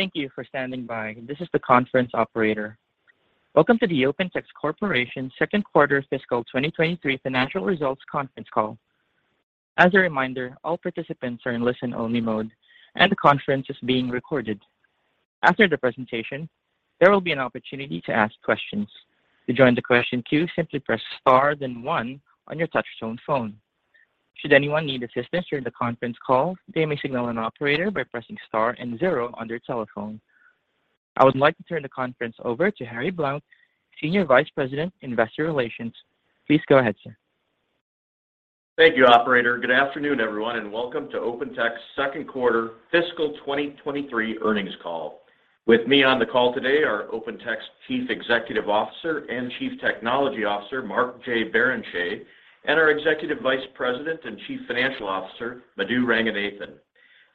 Thank you for standing by. This is the conference operator. Welcome to the OpenText Corporation Second Quarter Fiscal 2023 Financial Results Conference Call. As a reminder, all participants are in listen only mode, and the conference is being recorded. After the presentation, there will be an opportunity to ask questions. To join the question queue, simply press star then one on your touch-tone phone. Should anyone need assistance during the conference call, they may signal an operator by pressing star and zero on their telephone. I would like to turn the conference over to Harry Blount, Senior Vice President, Investor Relations. Please go ahead, sir. Thank you, operator. Good afternoon, everyone, and welcome to OpenText second quarter fiscal 2023 earnings call. With me on the call today are OpenText Chief Executive Officer and Chief Technology Officer, Mark J. Barrenechea, and our Executive Vice President and Chief Financial Officer, Madhu Ranganathan.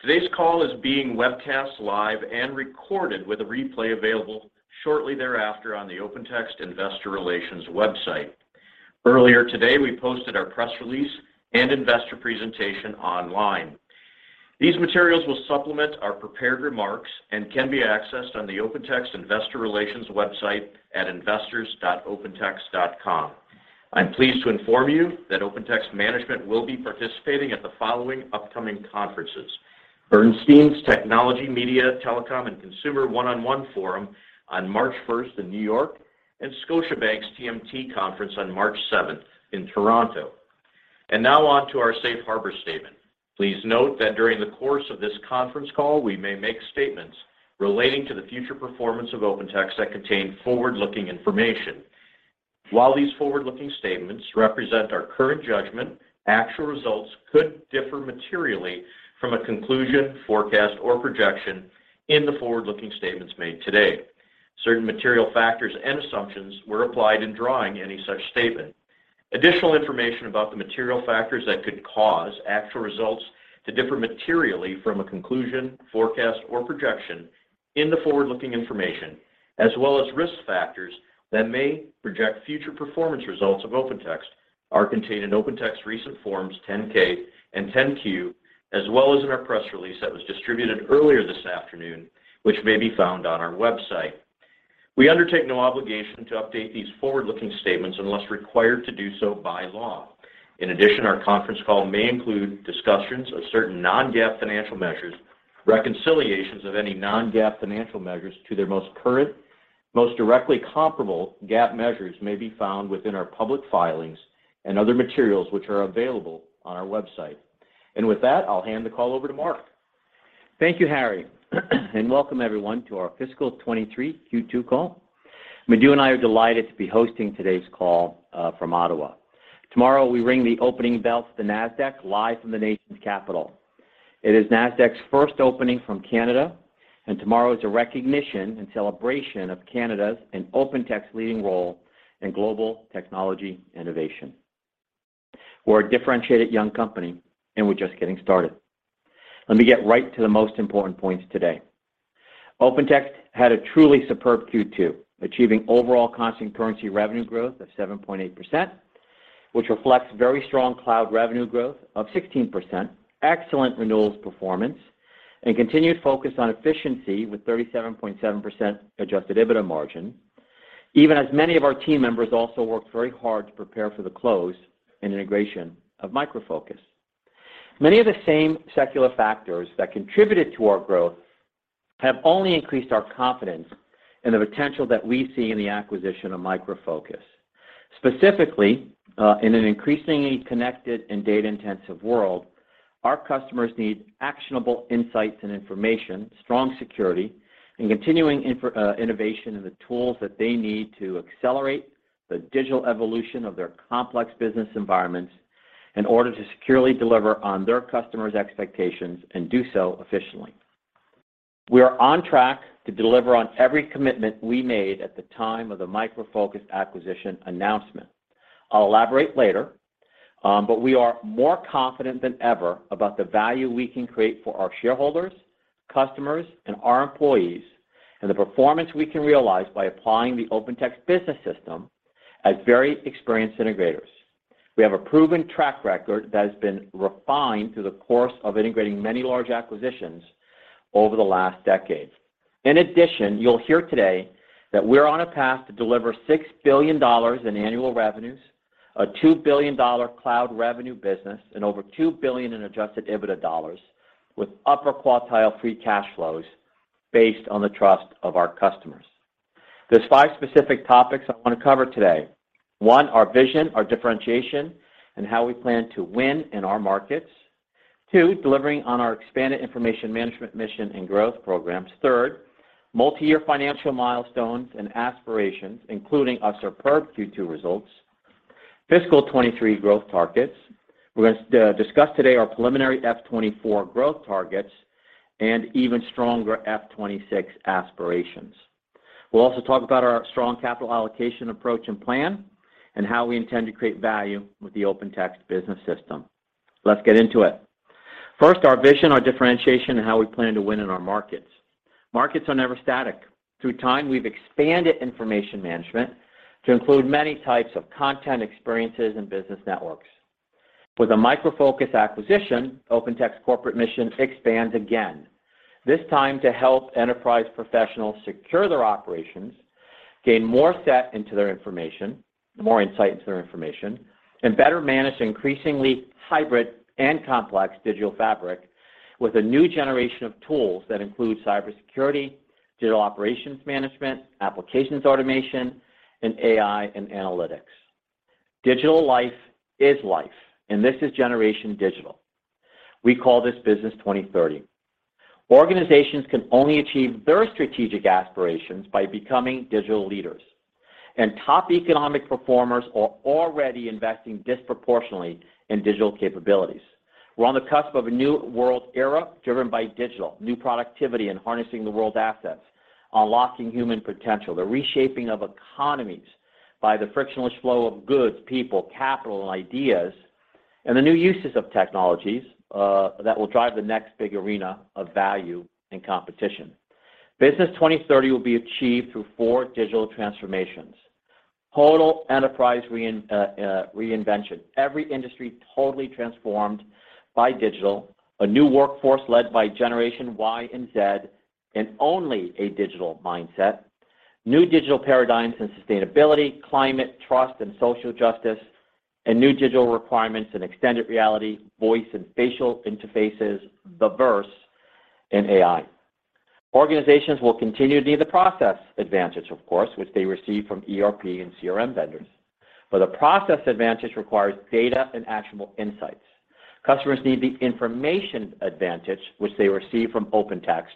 Today's call is being webcast live and recorded with a replay available shortly thereafter on the OpenText Investor Relations website. Earlier today, we posted our press release and investor presentation online. These materials will supplement our prepared remarks and can be accessed on the OpenText Investor Relations website at investors.opentext.com. I'm pleased to inform you that OpenText management will be participating at the following upcoming conferences: Bernstein's Technology, Media, Telecom and Consumer One-on-One forum on March 1st in New York, and Scotiabank's TMT conference on March 7th in Toronto. Now on to our safe harbor statement. Please note that during the course of this conference call, we may make statements relating to the future performance of OpenText that contain forward-looking information. While these forward-looking statements represent our current judgment, actual results could differ materially from a conclusion, forecast, or projection in the forward-looking statements made today. Certain material factors and assumptions were applied in drawing any such statement. Additional information about the material factors that could cause actual results to differ materially from a conclusion, forecast, or projection in the forward-looking information, as well as risk factors that may project future performance results of OpenText are contained in OpenText recent forms 10-K and 10-Q, as well as in our press release that was distributed earlier this afternoon, which may be found on our website. We undertake no obligation to update these forward-looking statements unless required to do so by law. In addition, our conference call may include discussions of certain non-GAAP financial measures. Reconciliations of any non-GAAP financial measures to their most current, most directly comparable GAAP measures may be found within our public filings and other materials, which are available on our website. With that, I'll hand the call over to Mark. Thank you, Harry. Welcome everyone to our fiscal 2023 Q2 call. Madhu and I are delighted to be hosting today's call from Ottawa. Tomorrow, we ring the opening bell at the Nasdaq live from the nation's capital. It is Nasdaq's first opening from Canada, and tomorrow is a recognition and celebration of Canada's and OpenText's leading role in global technology innovation. We're a differentiated young company, and we're just getting started. Let me get right to the most important points today. OpenText had a truly superb Q2, achieving overall constant currency revenue growth of 7.8%, which reflects very strong cloud revenue growth of 16%, excellent renewals performance, and continued focus on efficiency with 37.7% Adjusted EBITDA margin, even as many of our team members also worked very hard to prepare for the close and integration of Micro Focus. Many of the same secular factors that contributed to our growth have only increased our confidence in the potential that we see in the acquisition of Micro Focus. Specifically, in an increasingly connected and data-intensive world, our customers need actionable insights and information, strong security, and continuing innovation in the tools that they need to accelerate the digital evolution of their complex business environments in order to securely deliver on their customers' expectations and do so efficiently. We are on track to deliver on every commitment we made at the time of the Micro Focus acquisition announcement. I'll elaborate later, we are more confident than ever about the value we can create for our shareholders, customers, and our employees, and the performance we can realize by applying the OpenText business system as very experienced integrators. We have a proven track record that has been refined through the course of integrating many large acquisitions over the last decade. In addition, you'll hear today that we're on a path to deliver $6 billion in annual revenues, a $2 billion cloud revenue business, and over $2 billion in Adjusted EBITDA with upper quartile free cash flows based on the trust of our customers. There's five specific topics I want to cover today. One, our vision, our differentiation, and how we plan to win in our markets. Two, delivering on our expanded information management mission and growth programs. Third, multi-year financial milestones and aspirations, including our superb Q2 results. Fiscal 2023 growth targets. We're gonna discuss today our FY 2024 growth targets and even FY 2026 aspirations. We'll also talk about our strong capital allocation approach and plan and how we intend to create value with the OpenText business system. Let's get into it. First, our vision, our differentiation, and how we plan to win in our markets. Markets are never static. Through time, we've expanded information management to include many types of content experiences and business networks. With a Micro Focus acquisition, OpenText corporate mission expands again. This time to help enterprise professionals secure their operations, gain more insight into their information, and better manage increasingly hybrid and complex digital fabric with a new generation of tools that include cybersecurity, digital operations management, applications automation, and AI and analytics. Digital life is life, and this is generation digital. We call this business 2030. Organizations can only achieve their strategic aspirations by becoming digital leaders. Top economic performers are already investing disproportionately in digital capabilities. We're on the cusp of a new world era driven by digital, new productivity, and harnessing the world's assets, unlocking human potential, the reshaping of economies by the frictionless flow of goods, people, capital, and ideas, and the new uses of technologies that will drive the next big arena of value and competition. Business 2030 will be achieved through four digital transformations. Total enterprise reinvention. Every industry totally transformed by digital. A new workforce led by Generation Y and Z in only a digital mindset. New digital paradigms and sustainability, climate, trust, and social justice. New digital requirements in extended reality, voice and facial interfaces, the verse in AI. Organizations will continue to need the process advantage, of course, which they receive from ERP and CRM vendors. The process advantage requires data and actionable insights. Customers need the information advantage, which they receive from OpenText,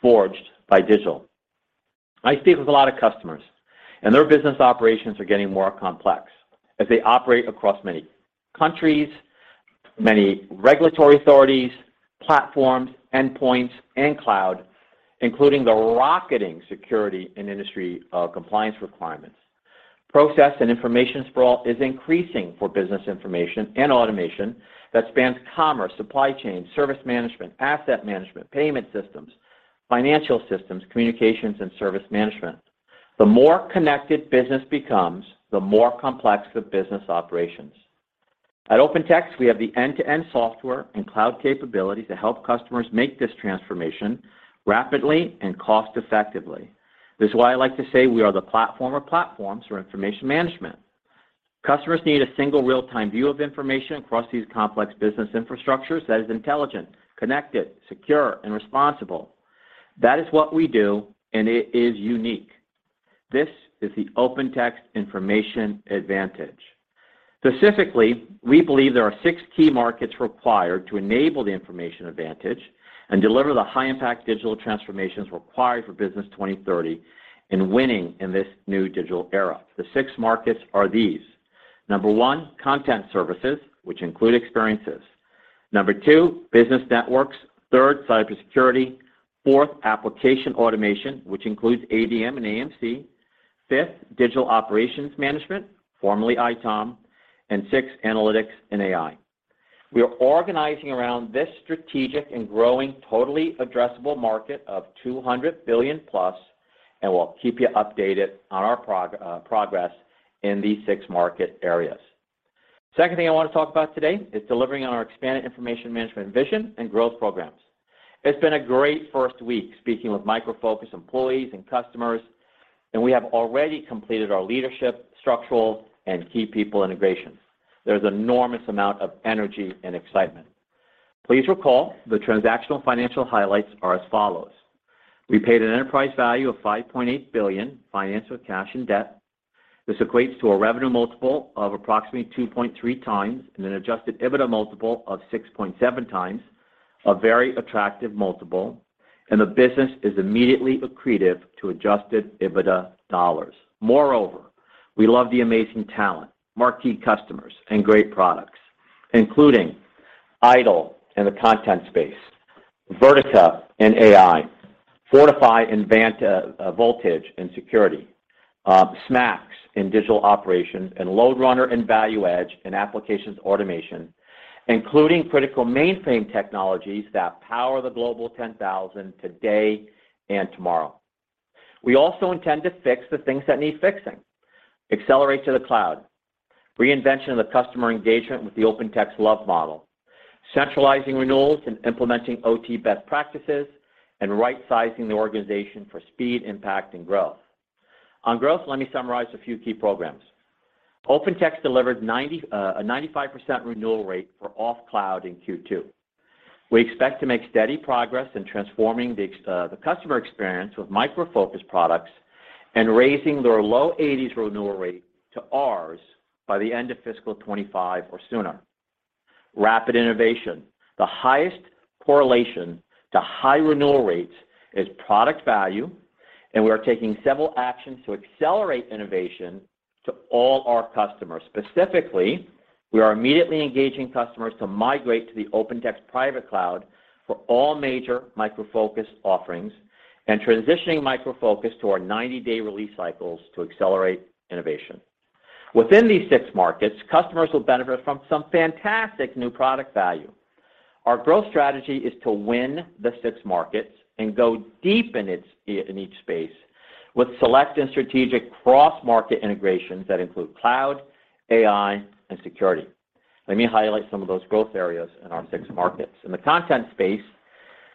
forged by digital. I speak with a lot of customers, and their business operations are getting more complex as they operate across many countries, many regulatory authorities, platforms, endpoints, and cloud, including the rocketing security and industry compliance requirements. Process and information sprawl is increasing for business information and automation that spans commerce, supply chain, service management, asset management, payment systems, financial systems, communications and service management. The more connected business becomes, the more complex the business operations. At OpenText, we have the end-to-end software and cloud capability to help customers make this transformation rapidly and cost effectively. This is why I like to say we are the platform of platforms for information management. Customers need a single real-time view of information across these complex business infrastructures that is intelligent, connected, secure, and responsible. That is what we do, and it is unique. This is the OpenText information advantage. Specifically, we believe there are six key markets required to enable the information advantage and deliver the high-impact digital transformations required for business 2030 in winning in this new digital era. The six markets are these: One, Content Services, which include experiences. Two, Business Networks. Three, Cybersecurity. Four, Application Automation, which includes ADM and AMC. Five, Digital Operations Management, formerly ITOM. Six, Analytics and AI. We are organizing around this strategic and growing totally addressable market of $200 billion plus, and we'll keep you updated on our progress in these six market areas. Second thing I want to talk about today is delivering on our expanded information management vision and growth programs. It's been a great first week speaking with Micro Focus employees and customers, and we have already completed our leadership, structural, and key people integrations. There's enormous amount of energy and excitement. Please recall the transactional financial highlights are as follows. We paid an enterprise value of $5.8 billion, financed with cash and debt. This equates to a revenue multiple of approximately 2.3x and an Adjusted EBITDA multiple of 6.7x, a very attractive multiple. The business is immediately accretive to Adjusted EBITDA dollars. We love the amazing talent, marquee customers, and great products, including IDOL in the Content space, Vertica in AI, Fortify & Voltage in Security, SMAX in Digital Operations, and LoadRunner & ValueEdge in Applications Automation, including critical mainframe technologies that power the Global 10,000 today and tomorrow. We also intend to fix the things that need fixing. Accelerate to the cloud, reinvention of the customer engagement with the OpenText LOVE model, centralizing renewals and implementing OT best practices, and right-sizing the organization for speed, impact, and growth. On growth, let me summarize a few key programs. OpenText delivered a 95% renewal rate for off cloud in Q2. We expect to make steady progress in transforming the customer experience with Micro Focus products and raising their low 80s renewal rate to ours by the end of fiscal 2025 or sooner. Rapid innovation. The highest correlation to high renewal rates is product value, and we are taking several actions to accelerate innovation to all our customers. Specifically, we are immediately engaging customers to migrate to the OpenText private cloud for all major Micro Focus offerings and transitioning Micro Focus to our 90-day release cycles to accelerate innovation. Within these six markets, customers will benefit from some fantastic new product value. Our growth strategy is to win the six markets and go deep in its, in each space with select and strategic cross-market integrations that include cloud, AI, and security. Let me highlight some of those growth areas in our six markets. In the content space,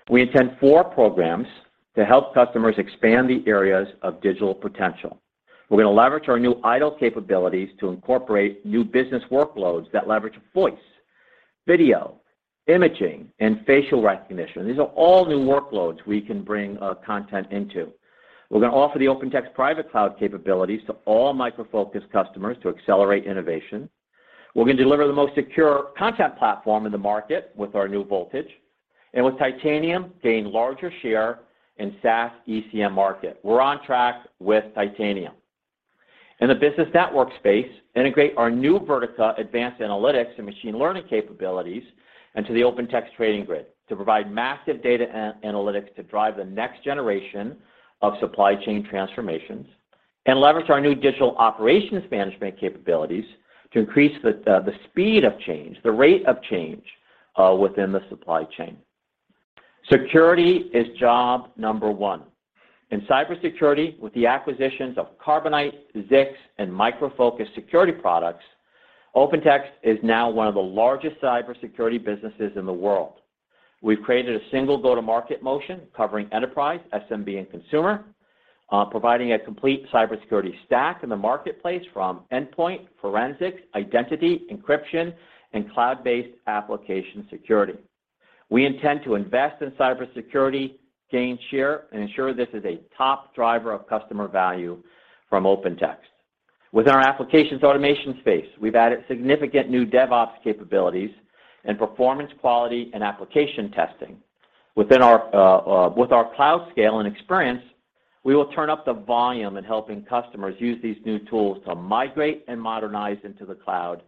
we intend four programs to help customers expand the areas of digital potential. We're gonna leverage our new IDOL capabilities to incorporate new business workloads that leverage voice, video, imaging, and facial recognition. These are all new workloads we can bring content into. We're gonna offer the OpenText private cloud capabilities to all Micro Focus customers to accelerate innovation. We're gonna deliver the most secure content platform in the market with our new Voltage. With Titanium, gain larger share in SaaS ECM market. We're on track with Titanium. In the business network space, integrate our new Vertica advanced analytics and machine learning capabilities into the OpenText Trading Grid to provide massive data analytics to drive the next generation of supply chain transformations, and leverage our new digital operations management capabilities to increase the speed of change, the rate of change within the supply chain. Security is job number one. In Cybersecurity, with the acquisitions of Carbonite, Zix, and Micro Focus security products, OpenText is now one of the largest cybersecurity businesses in the world. We've created a single go-to-market motion covering enterprise, SMB, and consumer, providing a complete cybersecurity stack in the marketplace from endpoint, forensic, identity, encryption, and cloud-based application security. We intend to invest in cybersecurity, gain share, and ensure this is a top driver of customer value from OpenText. With our Applications Automation space, we've added significant new DevOps capabilities and performance quality and application testing. With our cloud scale and experience, we will turn up the volume in helping customers use these new tools to migrate and modernize into the cloud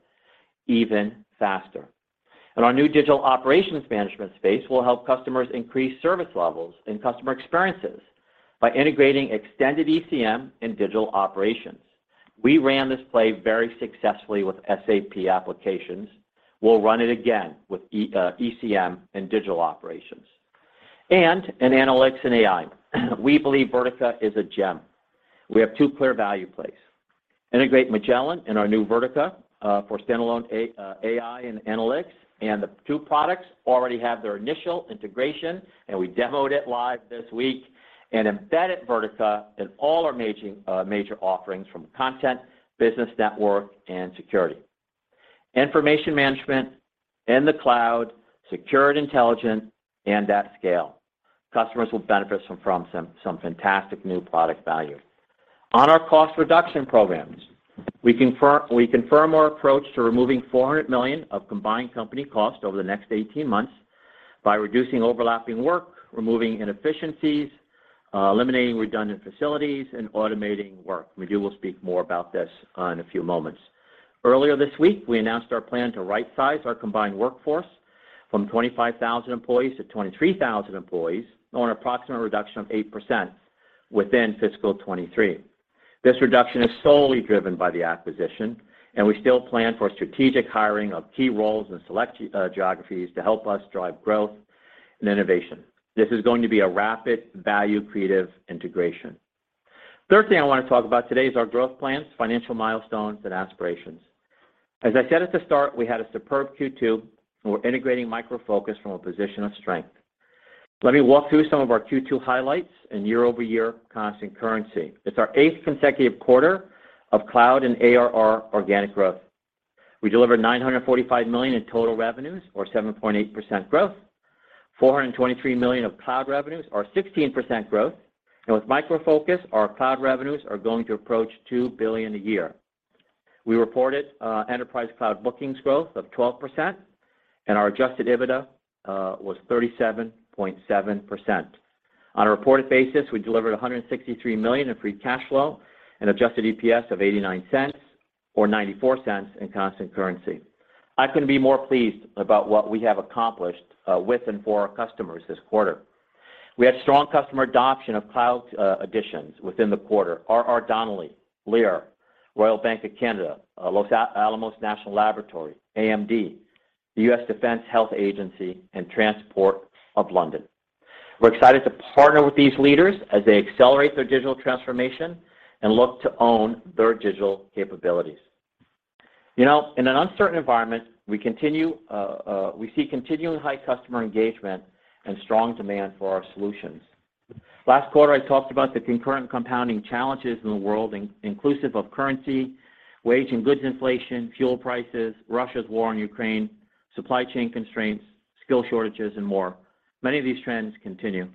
even faster. Our new digital operations management space will help customers increase service levels and customer experiences by integrating Extended ECM and digital operations. We ran this play very successfully with SAP applications. We'll run it again with ECM and digital operations. In Analytics & AI, we believe Vertica is a gem. We have two clear value plays. Integrate Magellan in our new Vertica for standalone AI and analytics, the two products already have their initial integration, we demoed it live this week, embedded Vertica in all our major offerings from content, business network, and security. Information management in the cloud, secured, intelligent, and at scale. Customers will benefit from some fantastic new product value. On our cost reduction programs, we confirm our approach to removing 400 million of combined company costs over the next 18 months by reducing overlapping work, removing inefficiencies, eliminating redundant facilities, and automating work. Madhu will speak more about this in a few moments. Earlier this week, we announced our plan to right-size our combined workforce from 25,000 employees to 23,000 employees on an approximate reduction of 8% within fiscal 2023. This reduction is solely driven by the acquisition, and we still plan for strategic hiring of key roles in select geographies to help us drive growth and innovation. This is going to be a rapid value creative integration. Third thing I wanna talk about today is our growth plans, financial milestones, and aspirations. As I said at the start, we had a superb Q2, and we're integrating Micro Focus from a position of strength. Let me walk through some of our Q2 highlights and year-over-year constant currency. It's our eighth consecutive quarter of cloud and ARR organic growth. We delivered $945 million in total revenues or 7.8% growth, $423 million of cloud revenues or 16% growth. With Micro Focus, our cloud revenues are going to approach $2 billion a year. We reported enterprise cloud bookings growth of 12%, and our Adjusted EBITDA was 37.7%. On a reported basis, we delivered $163 million in free cash flow and adjusted EPS of $0.89 or $0.94 in constant currency. I couldn't be more pleased about what we have accomplished with and for our customers this quarter. We had strong customer adoption of Cloud Additions within the quarter, R.R. Donnelley, Lear, Royal Bank of Canada, Los Alamos National Laboratory, AMD, the U.S. Defense Health Agency, and Transport for London. We're excited to partner with these leaders as they accelerate their digital transformation and look to own their digital capabilities. You know, in an uncertain environment, we see continuing high customer engagement and strong demand for our solutions. Last quarter, I talked about the concurrent compounding challenges in the world inclusive of currency, wage and goods inflation, fuel prices, Russia's war on Ukraine, supply chain constraints, skill shortages, and more. Many of these trends continue.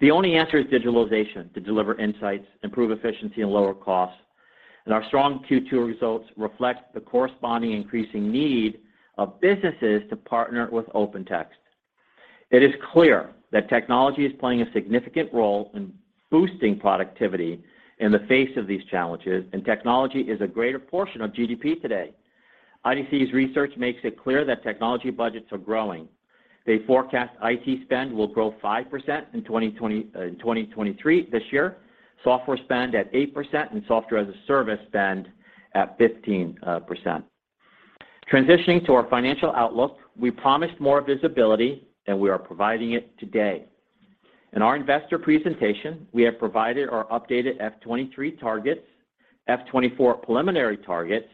The only answer is digitalization to deliver insights, improve efficiency, and lower costs. Our strong Q2 results reflect the corresponding increasing need of businesses to partner with OpenText. It is clear that technology is playing a significant role in boosting productivity in the face of these challenges, and technology is a greater portion of GDP today. IDC's research makes it clear that technology budgets are growing. They forecast IT spend will grow 5% in 2023, this year. Software spend at 8% and software as a service spend at 15%. Transitioning to our financial outlook, we promised more visibility. We are providing it today. In our investor presentation, we have provided our FY 2024 preliminary targets,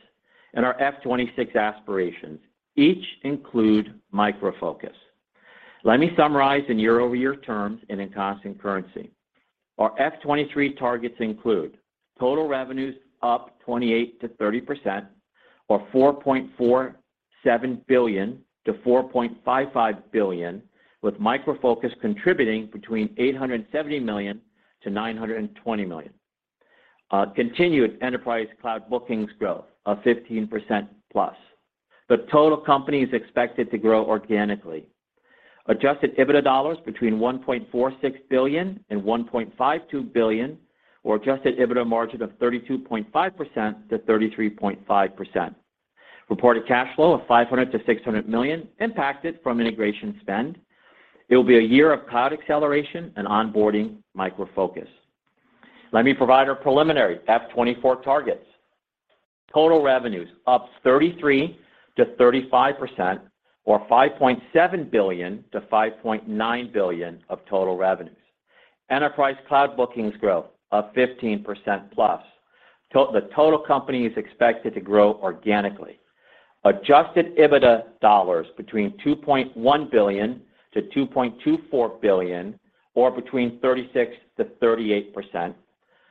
and FY 2026 aspirations. Each include Micro Focus. Let me summarize in year-over-year terms and in constant currency. FY 2023 targets include total revenues up 28%-30% or $4.47 billion-$4.55 billion, with Micro Focus contributing between $870 million-$920 million. Continued enterprise cloud bookings growth of 15%+. The total company is expected to grow organically. Adjusted EBITDA dollars between $1.46 billion and $1.52 billion, or Adjusted EBITDA margin of 32.5%-33.5%. Reported cash flow of $500 million-$600 million impacted from integration spend. It will be a year of cloud acceleration and onboarding Micro Focus. Let me provide our FY 2024 targets. Total revenues up 33%-35% or $5.7 billion-$5.9 billion of total revenues. Enterprise cloud bookings growth of 15%+. The total company is expected to grow organically. Adjusted EBITDA dollars between $2.1 billion to $2.24 billion or between 36%-38%.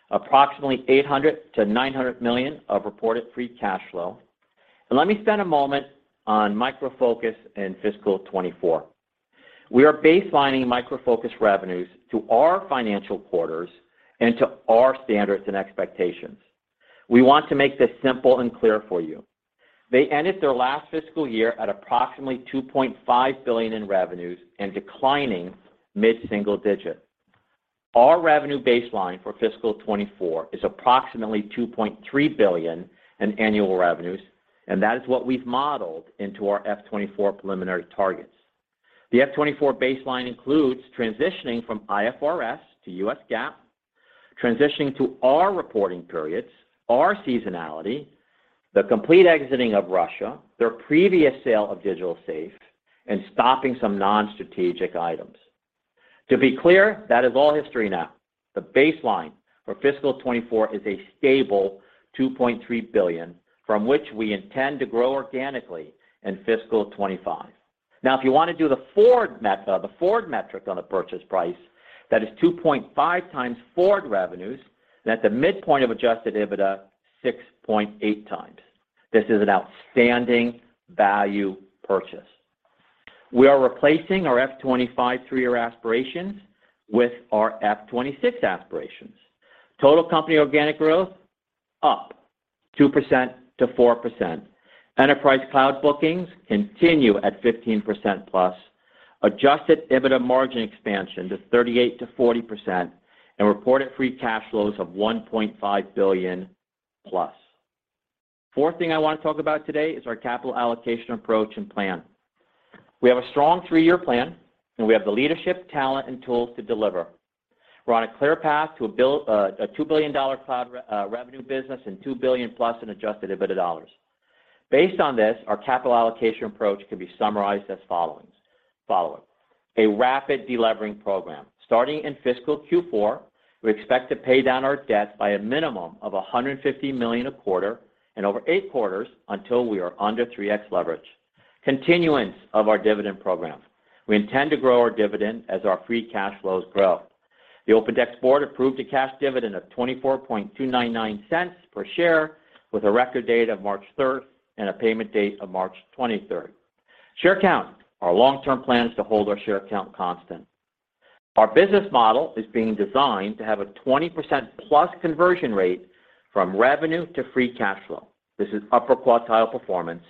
Approximately $800 million-$900 million of reported free cash flow. Let me spend a moment on Micro Focus in fiscal 2024. We are baselining Micro Focus revenues to our financial quarters and to our standards and expectations. We want to make this simple and clear for you. They ended their last fiscal year at approximately $2.5 billion in revenues and declining mid-single digit. Our revenue baseline for fiscal 2024 is approximately $2.3 billion in annual revenues, and that is what we've modeled into our F 2024 preliminary targets. The F 2024 baseline includes transitioning from IFRS to U.S. GAAP, transitioning to our reporting periods, our seasonality, the complete exiting of Russia, their previous sale of Digital Safe, and stopping some non-strategic items. To be clear, that is all history now. The baseline for fiscal 2024 is a stable $2.3 billion from which we intend to grow organically in fiscal 2025. Now, if you want to do the forward metric on the purchase price, that is 2.5x forward revenues, and at the midpoint of Adjusted EBITDA, 6.8x. This is an outstanding value purchase. We are replacing FY 2025 three-year aspirations with FY 2026 aspirations. Total company organic growth up 2%-4%. Enterprise cloud bookings continue at 15%+. Adjusted EBITDA margin expansion to 38%-40% and reported free cash flows of $1.5 billion+. Fourth thing I want to talk about today is our capital allocation approach and plan. We have a strong three-year plan, and we have the leadership, talent, and tools to deliver. We're on a clear path to a $2 billion cloud revenue business and $2 billion+ in Adjusted EBITDA dollars. Based on this, our capital allocation approach can be summarized as follows. A rapid delevering program. Starting in fiscal Q4, we expect to pay down our debt by a minimum of 150 million a quarter and over eight quarters until we are under 3x leverage. Continuance of our dividend program. We intend to grow our dividend as our free cash flows grow. The OpenText board approved a cash dividend of 0.24299 per share with a record date of March 3rd and a payment date of March 23rd. Share count. Our long-term plan is to hold our share count constant. Our business model is being designed to have a 20%+ conversion rate from revenue to free cash flow. This is upper quartile performance,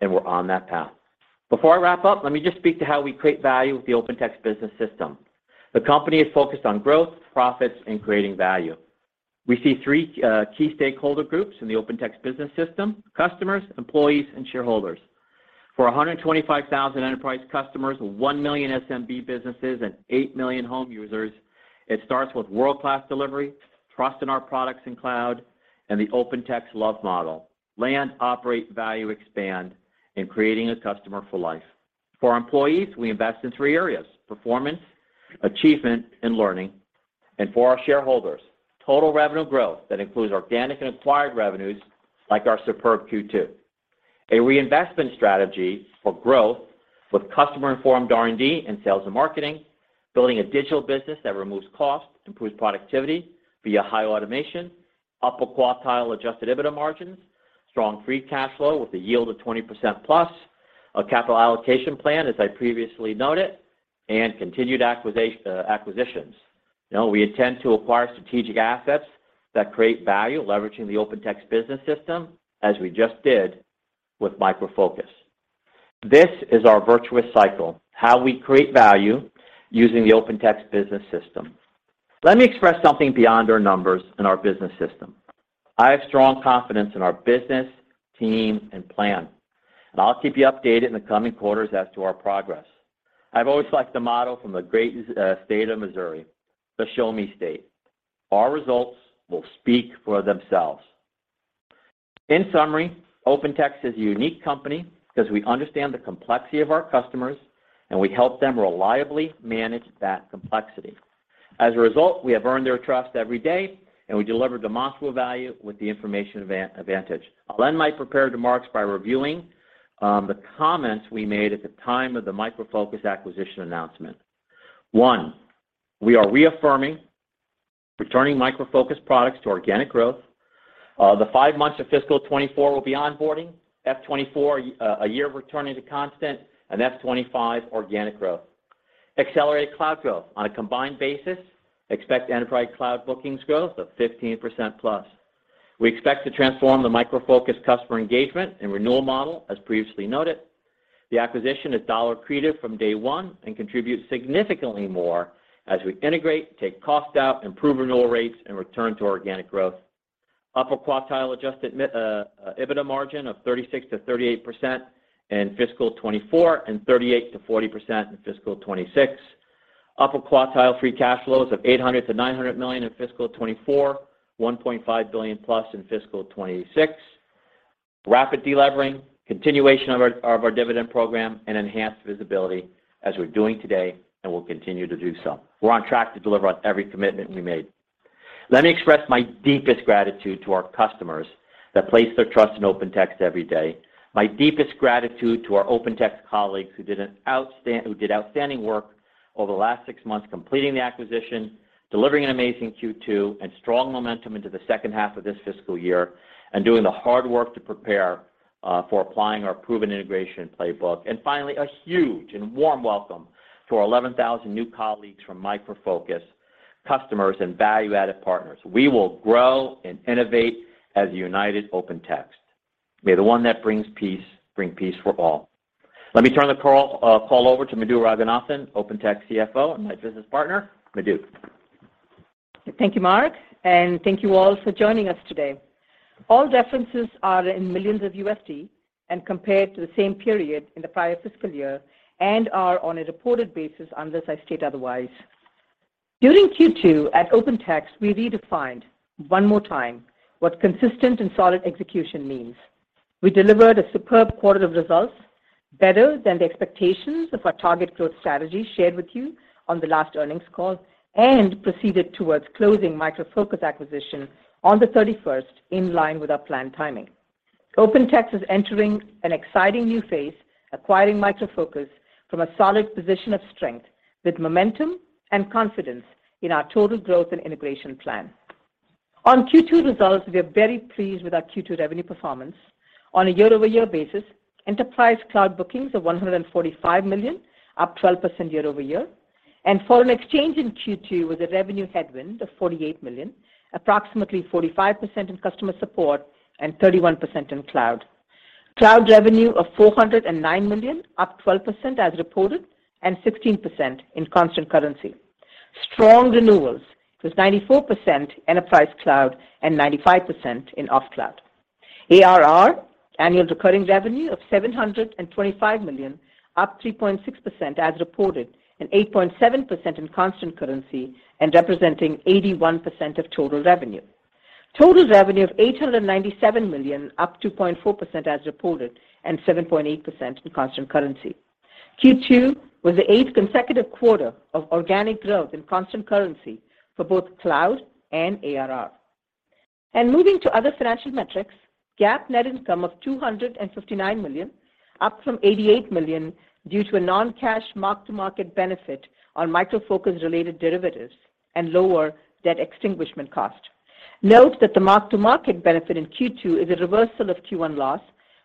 and we're on that path. Before I wrap up, let me just speak to how we create value with the OpenText business system. The company is focused on growth, profits, and creating value. We see 3 key stakeholder groups in the OpenText business system: customers, employees, and shareholders. For 125,000 enterprise customers, 1 million SMB businesses, and 8 million home users, it starts with world-class delivery, trust in our products and cloud, and the OpenText LOVE model: land, operate, value, expand, and creating a customer for life. For our employees, we invest in three areas: Performance, Achievement, and Learning. For our shareholders, total revenue growth that includes organic and acquired revenues like our superb Q2. A reinvestment strategy for growth with customer-informed R&D and sales and marketing, building a digital business that removes costs, improves productivity via high automation, upper quartile Adjusted EBITDA margins, strong free cash flow with a yield of 20%+, a capital allocation plan, as I previously noted, and continued acquisitions. You know, we intend to acquire strategic assets that create value, leveraging the OpenText business system, as we just did with Micro Focus. This is our virtuous cycle, how we create value using the OpenText business system. Let me express something beyond our numbers and our business system. I have strong confidence in our business, team, and plan. And I'll keep you updated in the coming quarters as to our progress. I've always liked the motto from the great state of Missouri, "The Show Me State." Our results will speak for themselves. In summary, OpenText is a unique company because we understand the complexity of our customers, and we help them reliably manage that complexity. As a result, we have earned their trust every day, and we deliver demonstrable value with the information advantage. I'll end my prepared remarks by reviewing the comments we made at the time of the Micro Focus acquisition announcement. One, we are reaffirming returning Micro Focus products to organic growth. The five months of fiscal 2024 will be onboarding FY 2024, a year of returning to constant and FY 2025 organic growth. Accelerated cloud growth. On a combined basis, expect enterprise cloud bookings growth of 15%+. We expect to transform the Micro Focus customer engagement and renewal model, as previously noted. The acquisition is dollar-accretive from day one and contributes significantly more as we integrate, take cost out, improve renewal rates, and return to organic growth. Upper quartile Adjusted EBITDA margin of 36%-38% in fiscal 2024 and 38%-40% in fiscal 2026. Upper quartile free cash flows of $800 million-$900 million in fiscal 2024, $1.5 billion+ in fiscal 2026. Rapid delevering, continuation of our dividend program, and enhanced visibility as we're doing today and will continue to do so. We're on track to deliver on every commitment we made. Let me express my deepest gratitude to our customers that place their trust in OpenText every day, my deepest gratitude to our OpenText colleagues who did outstanding work over the last six months completing the acquisition, delivering an amazing Q2 and strong momentum into the second half of this fiscal year and doing the hard work to prepare for applying our proven integration playbook. Finally, a huge and warm welcome to our 11,000 new colleagues from Micro Focus, customers, and value-added partners. We will grow and innovate as a united OpenText. May the one that brings peace bring peace for all. Let me turn the call over to Madhu Ranganathan, OpenText CFO, and my business partner. Madhu. Thank you, Mark, and thank you all for joining us today. All references in millions of U.S.D and compared to the same period in the prior fiscal year and are on a reported basis unless I state otherwise. During Q2 at OpenText, we redefined one more time what consistent and solid execution means. We delivered a superb quarter of results better than the expectations of our target growth strategy shared with you on the last earnings call and proceeded towards closing Micro Focus acquisition on the thirty-first in line with our planned timing. OpenText is entering an exciting new phase, acquiring Micro Focus from a solid position of strength with momentum and confidence in our total growth and integration plan. On Q2 results, we are very pleased with our Q2 revenue performance. On a year-over-year basis, enterprise cloud bookings of $145 million, up 12% year-over-year. Foreign exchange in Q2 with a revenue headwind of $48 million, approximately 45% in customer support and 31% in cloud. Cloud revenue of $409 million, up 12% as reported and 16% in constant currency. Strong renewals with 94% enterprise cloud and 95% in off cloud. ARR, annual recurring revenue, of $725 million, up 3.6% as reported and 8.7% in constant currency and representing 81% of total revenue. Total revenue of $897 million, up 2.4% as reported and 7.8% in constant currency. Q2 was the eighth consecutive quarter of organic growth in constant currency for both cloud and ARR. Moving to other financial metrics, GAAP net income of $259 million, up from $88 million due to a non-cash mark-to-market benefit on Micro Focus-related derivatives and lower debt extinguishment cost. Note that the mark-to-market benefit in Q2 is a reversal of Q1 loss,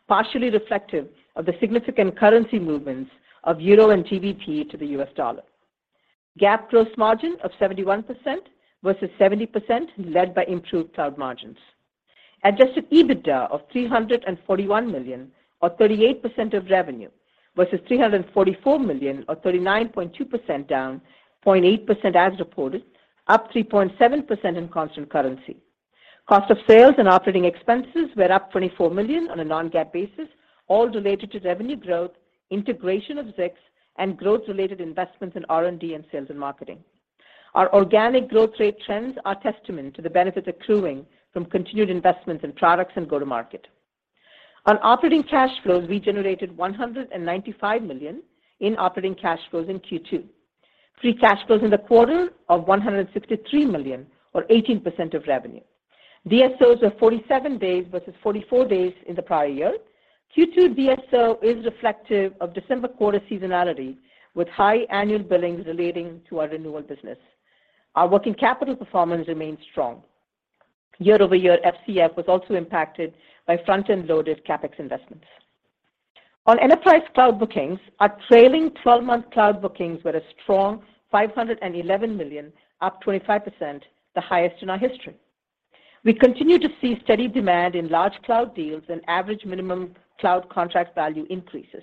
partially reflective of the significant currency movements of euro and GBP to the U.S. dollar. GAAP gross margin of 71% versus 70% led by improved cloud margins. Adjusted EBITDA of $341 million or 38% of revenue versus $344 million or 39.2%, down 0.8% as reported, up 3.7% in constant currency. Cost of sales and operating expenses were up $24 million on a non-GAAP basis, all related to revenue growth, integration of Zix, and growth-related investments in R&D and sales and marketing. Our organic growth rate trends are testament to the benefits accruing from continued investments in products and go-to-market. On operating cash flows, we generated $195 million in operating cash flows in Q2. Free cash flows in the quarter of $163 million or 18% of revenue. DSOs of 47 days versus 44 days in the prior year. Q2 DSO is reflective of December quarter seasonality with high annual billings relating to our renewal business. Our working capital performance remains strong. Year-over-year, FCF was also impacted by front-end loaded CapEx investments. On enterprise cloud bookings, our trailing twelve-month cloud bookings were a strong $511 million, up 25%, the highest in our history. We continue to see steady demand in large cloud deals and average minimum cloud contract value increases.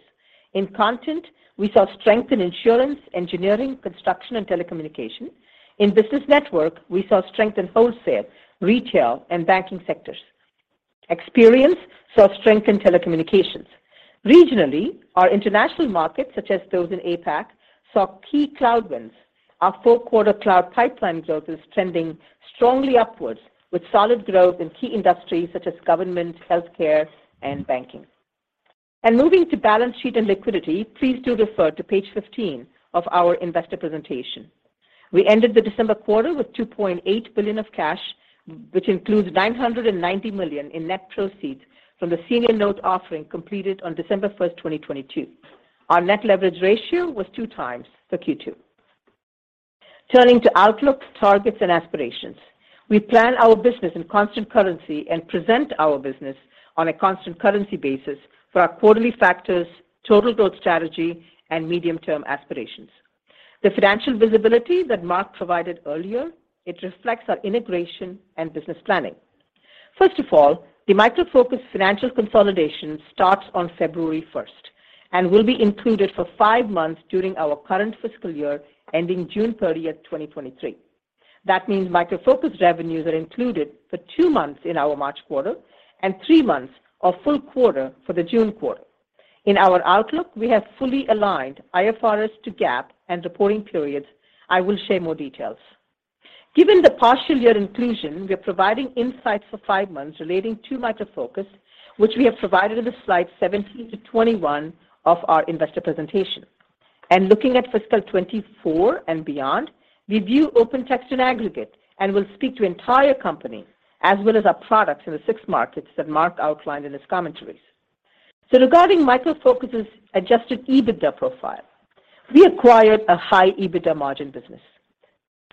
In content, we saw strength in insurance, engineering, construction, and telecommunications. In business network, we saw strength in wholesale, retail, and banking sectors. Experience saw strength in telecommunications. Regionally, our international markets, such as those in APAC, saw key cloud wins. Our full quarter cloud pipeline growth is trending strongly upwards with solid growth in key industries such as government, healthcare, and banking. Moving to balance sheet and liquidity, please do refer to page 15 of our investor presentation. We ended the December quarter with $2.8 billion of cash, which includes $990 million in net proceeds from the senior note offering completed on December 1st, 2022. Our net leverage ratio was 2x for Q2. Turning to outlook, targets, and aspirations. We plan our business in constant currency and present our business on a constant currency basis for our quarterly factors, total growth strategy, and medium-term aspirations. The financial visibility that Mark provided earlier, it reflects our integration and business planning. First of all, the Micro Focus financial consolidation starts on February first and will be included for five months during our current fiscal year ending June 30th, 2023. That means Micro Focus revenues are included for two months in our March quarter and three months or full quarter for the June quarter. In our outlook, we have fully aligned IFRS to GAAP and reporting periods. I will share more details. Given the partial year inclusion, we are providing insights for five months relating to Micro Focus, which we have provided in the slides 17-21 of our investor presentation. Looking at fiscal 2024 and beyond, we view OpenText in aggregate and will speak to entire company as well as our products in the six markets that Mark outlined in his commentaries. Regarding Micro Focus' Adjusted EBITDA profile, we acquired a high EBITDA margin business.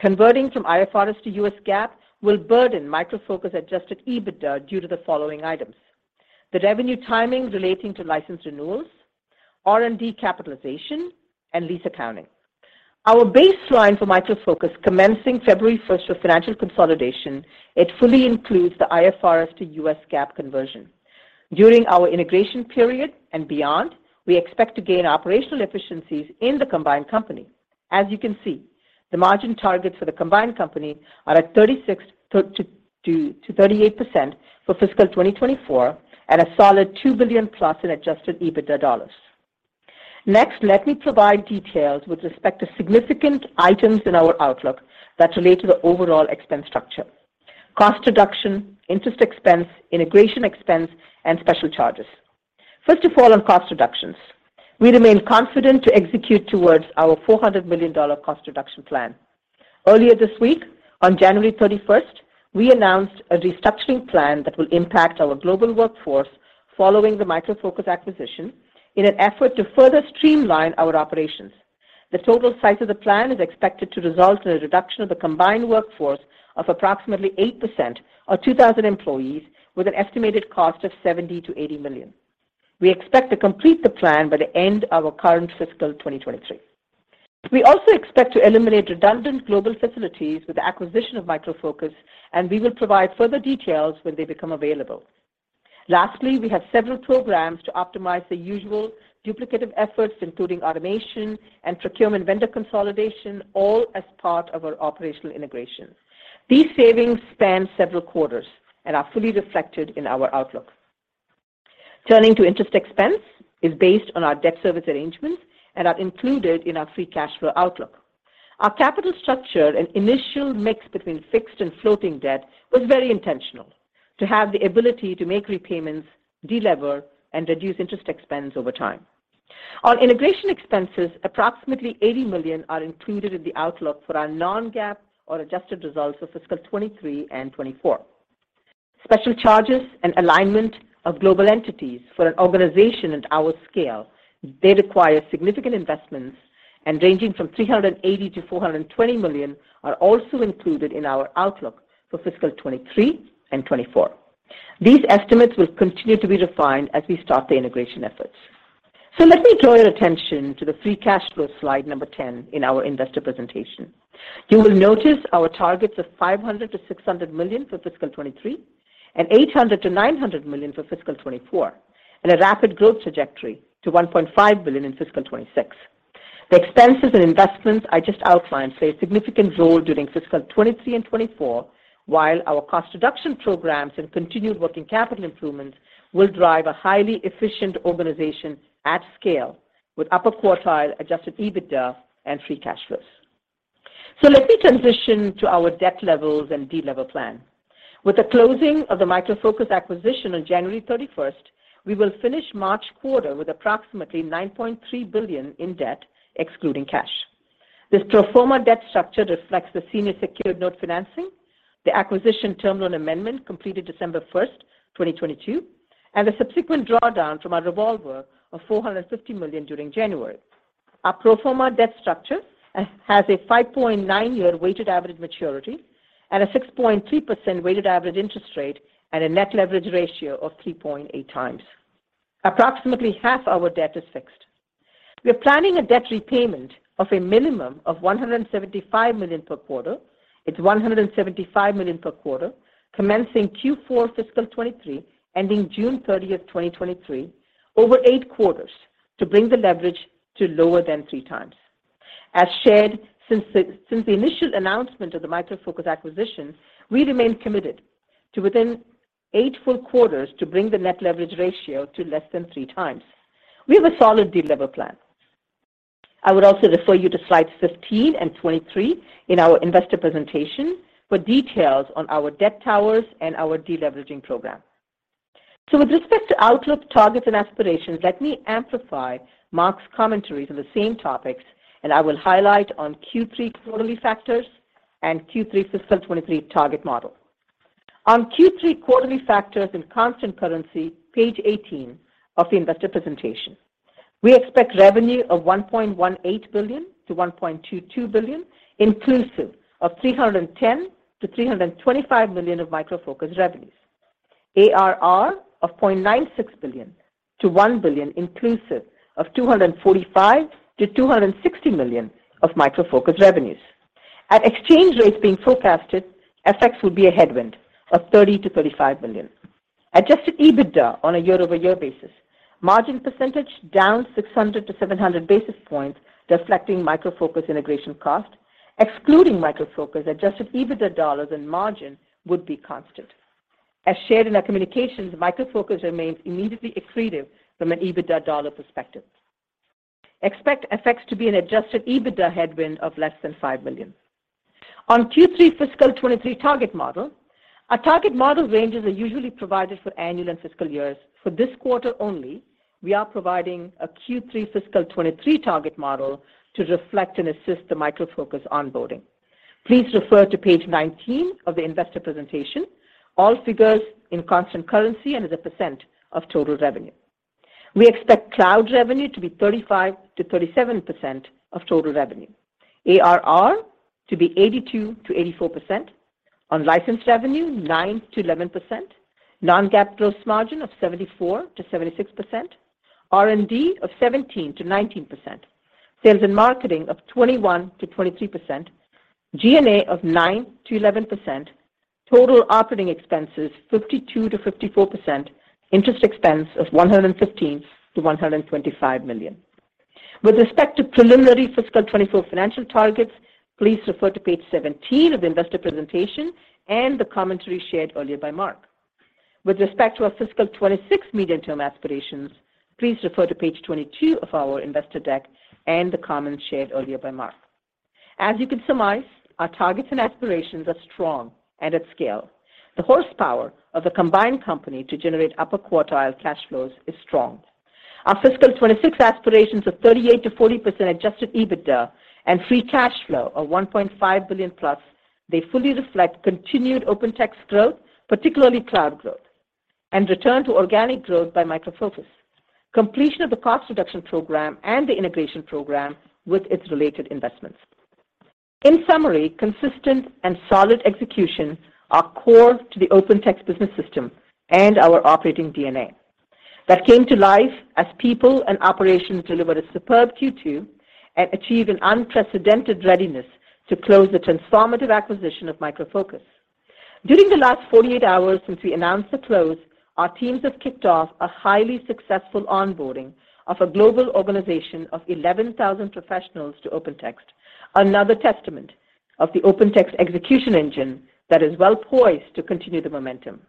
Converting from IFRS to U.S. GAAP will burden Micro Focus Adjusted EBITDA due to the following items: the revenue timing relating to license renewals, R&D capitalization, and lease accounting. Our baseline for Micro Focus commencing February 1st for financial consolidation, it fully includes the IFRS to U.S. GAAP conversion. During our integration period and beyond, we expect to gain operational efficiencies in the combined company. As you can see, the margin targets for the combined company are at 36%-38% for fiscal 2024 at a solid $2 billion-plus in Adjusted EBITDA dollars. Next, let me provide details with respect to significant items in our outlook that relate to the overall expense structure: cost reduction, interest expense, integration expense, and special charges. First of all, on cost reductions. We remain confident to execute towards our $400 million cost reduction plan. Earlier this week, on January 31st, we announced a restructuring plan that will impact our global workforce following the Micro Focus acquisition in an effort to further streamline our operations. The total size of the plan is expected to result in a reduction of the combined workforce of approximately 8% or 2,000 employees with an estimated cost of $70 million-$80 million. We expect to complete the plan by the end of our current fiscal 2023. We also expect to eliminate redundant global facilities with the acquisition of Micro Focus, and we will provide further details when they become available. Lastly, we have several programs to optimize the usual duplicative efforts, including automation and procurement vendor consolidation, all as part of our operational integration. These savings span several quarters and are fully reflected in our outlook. Turning to interest expense is based on our debt service arrangements and are included in our free cash flow outlook. Our capital structure and initial mix between fixed and floating debt was very intentional to have the ability to make repayments, delever, and reduce interest expense over time. On integration expenses, approximately $80 million are included in the outlook for our non-GAAP or adjusted results for fiscal 2023 and 2024. Special charges and alignment of global entities for an organization at our scale, they require significant investments and ranging from $380 million-$420 million are also included in our outlook for fiscal 2023 and 2024. These estimates will continue to be refined as we start the integration efforts. Let me draw your attention to the free cash flow slide number 10 in our investor presentation. You will notice our targets of $500 million-$600 million for fiscal 2023 and $800 million-$900 million for fiscal 2024, and a rapid growth trajectory to $1.5 billion in fiscal 2026. The expenses and investments I just outlined play a significant role during fiscal 2023 and 2024, while our cost reduction programs and continued working capital improvements will drive a highly efficient organization at scale with upper quartile Adjusted EBITDA and free cash flows. Let me transition to our debt levels and delever plan. With the closing of the Micro Focus acquisition on January 31st, we will finish March quarter with approximately $9.3 billion in debt, excluding cash. This pro forma debt structure reflects the senior secured note financing, the acquisition term loan amendment completed December 1st, 2022, and the subsequent drawdown from our revolver of $450 million during January. Our pro forma debt structure has a 5.9-year weighted average maturity and a 6.3% weighted average interest rate and a net leverage ratio of 3.8x. Approximately half our debt is fixed. We are planning a debt repayment of a minimum of $175 million per quarter. It's $175 million per quarter commencing Q4 fiscal 2023, ending June 30, 2023, over eight quarters to bring the leverage to lower than 3x. As shared since the initial announcement of the Micro Focus acquisition, we remain committed to within eight full quarters to bring the net leverage ratio to less than 3x. We have a solid delever plan. I would also refer you to slides 15 and 23 in our investor presentation for details on our debt towers and our deleveraging program. With respect to outlook targets and aspirations, let me amplify Mark's commentaries on the same topics, and I will highlight on Q3 quarterly factors and Q3 fiscal 2023 target model. On Q3 quarterly factors in constant currency, page 18 of the investor presentation. We expect revenue of $1.18 billion-$1.22 billion, inclusive of $310 million-$325 million of Micro Focus revenues. ARR of $0.96 billion-$1 billion, inclusive of $245 million-$260 million of Micro Focus revenues. At exchange rates being forecasted, FX will be a headwind of $30 million-$35 million. Adjusted EBITDA on a year-over-year basis, margin percentage down 600-700 basis points, reflecting Micro Focus integration cost. Excluding Micro Focus, Adjusted EBITDA dollars and margin would be constant. As shared in our communications, Micro Focus remains immediately accretive from an EBITDA dollar perspective. Expect effects to be an Adjusted EBITDA headwind of less than $5 million. Q3 fiscal 2023 target model, our target model ranges are usually provided for annual and fiscal years. For this quarter only, we are providing a Q3 fiscal 2023 target model to reflect and assist the Micro Focus onboarding. Please refer to page 19 of the investor presentation, all figures in constant currency and as a % of total revenue. We expect cloud revenue to be 35%-37% of total revenue. ARR to be 82%-84%. Licensed revenue, 9%-11%. Non-GAAP gross margin of 74%-76%. R&D of 17%-19%. Sales and marketing of 21%-23%. G&A of 9%-11%. Total operating expenses, 52%-54%. Interest expense of $115 million-$125 million. With respect to preliminary fiscal 2024 financial targets, please refer to page 17 of the investor presentation and the commentary shared earlier by Mark. With respect to our fiscal 2026 medium-term aspirations, please refer to page 22 of our investor deck and the comments shared earlier by Mark. As you can surmise, our targets and aspirations are strong and at scale. The horsepower of the combined company to generate upper quartile cash flows is strong. Our fiscal 2026 aspirations of 38%-40% Adjusted EBITDA and free cash flow of $1.5 billion plus, they fully reflect continued OpenText growth, particularly cloud growth and return to organic growth by Micro Focus, completion of the cost reduction program and the integration program with its related investments. In summary, consistent and solid execution are core to the OpenText business system and our operating DNA that came to life as people and operations delivered a superb Q2 and achieved an unprecedented readiness to close the transformative acquisition of Micro Focus. During the last 48 hours since we announced the close, our teams have kicked off a highly successful onboarding of a global organization of 11,000 professionals to OpenText, another testament of the OpenText execution engine that is well poised to continue the momentum.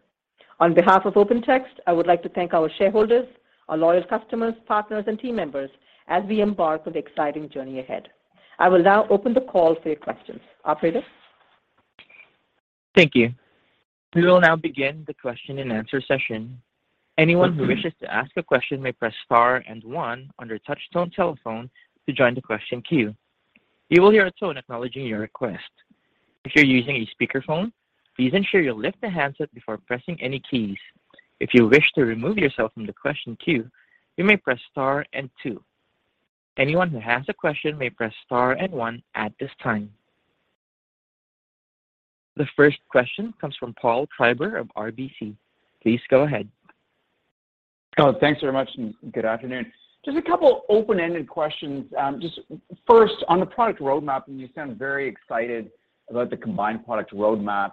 On behalf of OpenText, I would like to thank our shareholders, our loyal customers, partners, and team members as we embark on the exciting journey ahead. I will now open the call for your questions. Operator? Thank you. We will now begin the question-and-answer session. Anyone who wishes to ask a question may press star and one on your touch-tone telephone to join the question queue. You will hear a tone acknowledging your request. If you're using a speakerphone, please ensure you lift the handset before pressing any keys. If you wish to remove yourself from the question queue, you may press star and two. Anyone who has a question may press star and one at this time. The first question comes from Paul Treiber of RBC. Please go ahead. Thanks very much and good afternoon. Just a couple open-ended questions. Just first on the product roadmap, You sound very excited about the combined product roadmap.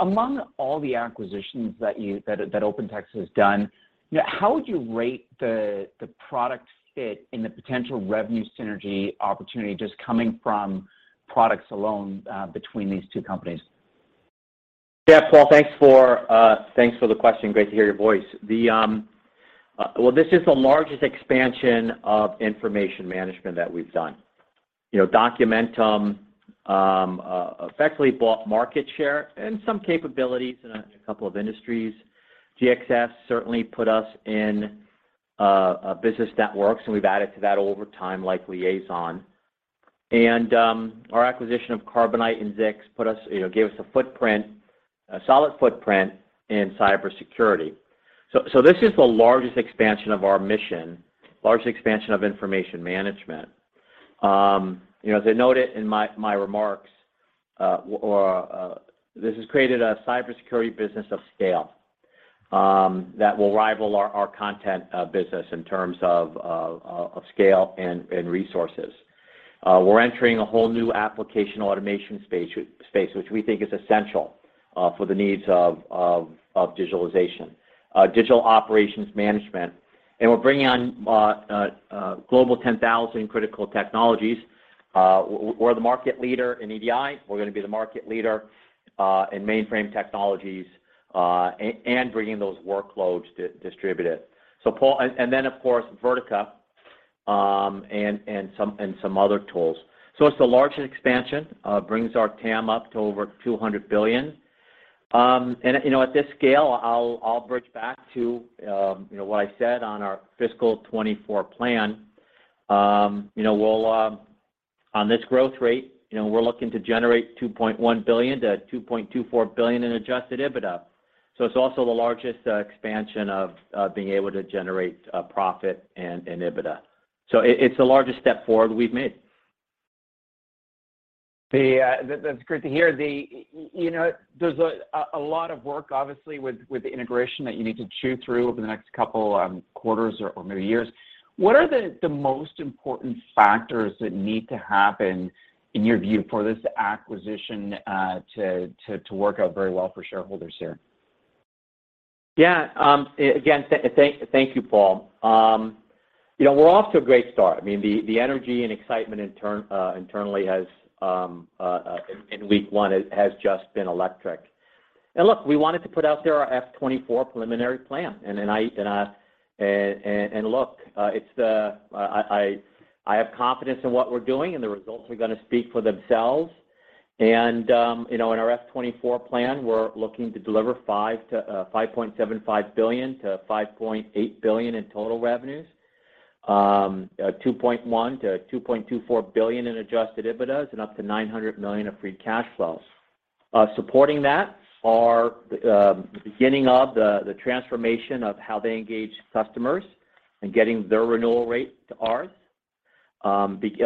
Among all the acquisitions that OpenText has done, how would you rate the product fit and the potential revenue synergy opportunity just coming from products alone, between these two companies? Yeah, Paul, thanks for the question. Great to hear your voice. Well, this is the largest expansion of information management that we've done. You know, Documentum effectively bought market share and some capabilities in a couple of industries. GXS certainly put us in business networks, and we've added to that over time, like Liaison. Our acquisition of Carbonite and Zix put us, you know, gave us a solid footprint in cybersecurity. This is the largest expansion of our mission, largest expansion of information management. You know, as I noted in my remarks, this has created a cybersecurity business of scale. That will rival our content business in terms of scale and resources. We're entering a whole new application automation space which we think is essential for the needs of digitalization. Digital operations management, and we're bringing on Global 10,000 critical technologies. We're the market leader in EDI, we're gonna be the market leader in mainframe technologies, and bringing those workloads distributed. Paul... Then of course, Vertica, and some other tools. It's the largest expansion, brings our TAM up to over $200 billion. You know, at this scale I'll bridge back to, you know, what I said on our fiscal 2024 plan. You know, we'll, on this growth rate, you know, we're looking to generate $2.1 billion-$2.24 billion in Adjusted EBITDA. It's also the largest expansion of being able to generate, profit and EBITDA. It's the largest step forward we've made. That's great to hear. You know, there's a lot of work obviously with the integration that you need to chew through over the next couple quarters or maybe years. What are the most important factors that need to happen in your view for this acquisition to work out very well for shareholders here? Yeah. Again, thank you Paul. You know, we're off to a great start. I mean, the energy and excitement internally has in week one just been electric. Look, we wanted to put out there FY 2024 preliminary plan. Then I, and I. Look, it's the. I have confidence in what we're doing, and the results are gonna speak for themselves. You know, in FY 2024 plan, we're looking to deliver $5.75 billion-$5.8 billion in total revenues. $2.1 billion-$2.24 billion in Adjusted EBITDA, and up to $900 million of free cash flows. Supporting that are the beginning of the transformation of how they engage customers and getting their renewal rate to ours. Underneath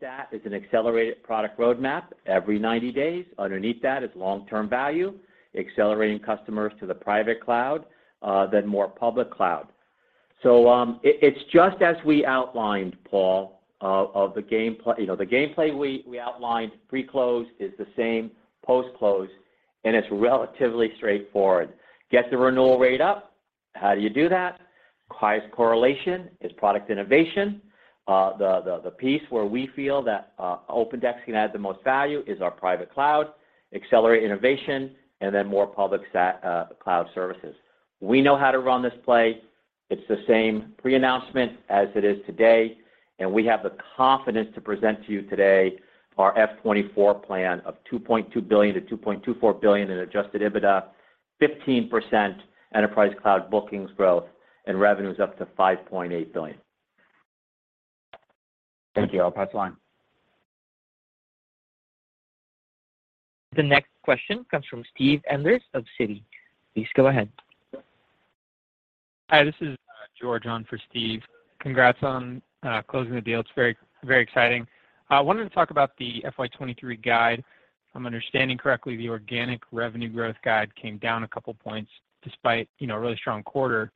that is an accelerated product roadmap every 90 days. Underneath that is long-term value, accelerating customers to the private cloud, then more public cloud. It's just as we outlined, Paul, of the game play. You know, the game play we outlined pre-close is the same post-close, and it's relatively straightforward. Get the renewal rate up. How do you do that? Highest correlation is product innovation. The piece where we feel that OpenText can add the most value is our private cloud, accelerate innovation, and then more public cloud services. We know how to run this play. It's the same pre-announcement as it is today. We have the confidence to present to you today our FY 2024 plan of $2.2 billion-$2.24 billion in Adjusted EBITDA, 15% enterprise cloud bookings growth, and revenues up to $5.8 billion. Thank you. I'll pass the line. The next question comes from Steven Enders of Citi. Please go ahead. Hi, this is George on for Steve. Congrats on closing the deal. It's very, very exciting. I wanted to talk about the FY 2023 guide. If I'm understanding correctly, the organic revenue growth guide came down a couple points despite, you know, a really strong quarter.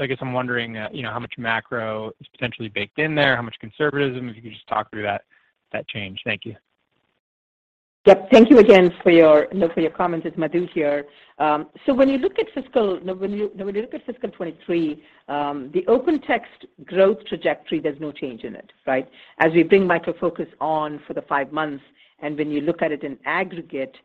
I guess I'm wondering, you know, how much macro is potentially baked in there, how much conservatism, if you could just talk through that change. Thank you. Yep. Thank you again for your, you know, for your comments. It's Madhu here. When you look at fiscal 2023, the OpenText growth trajectory, there's no change in it, right? As we bring Micro Focus on for the five months, and when you look at it in aggregate,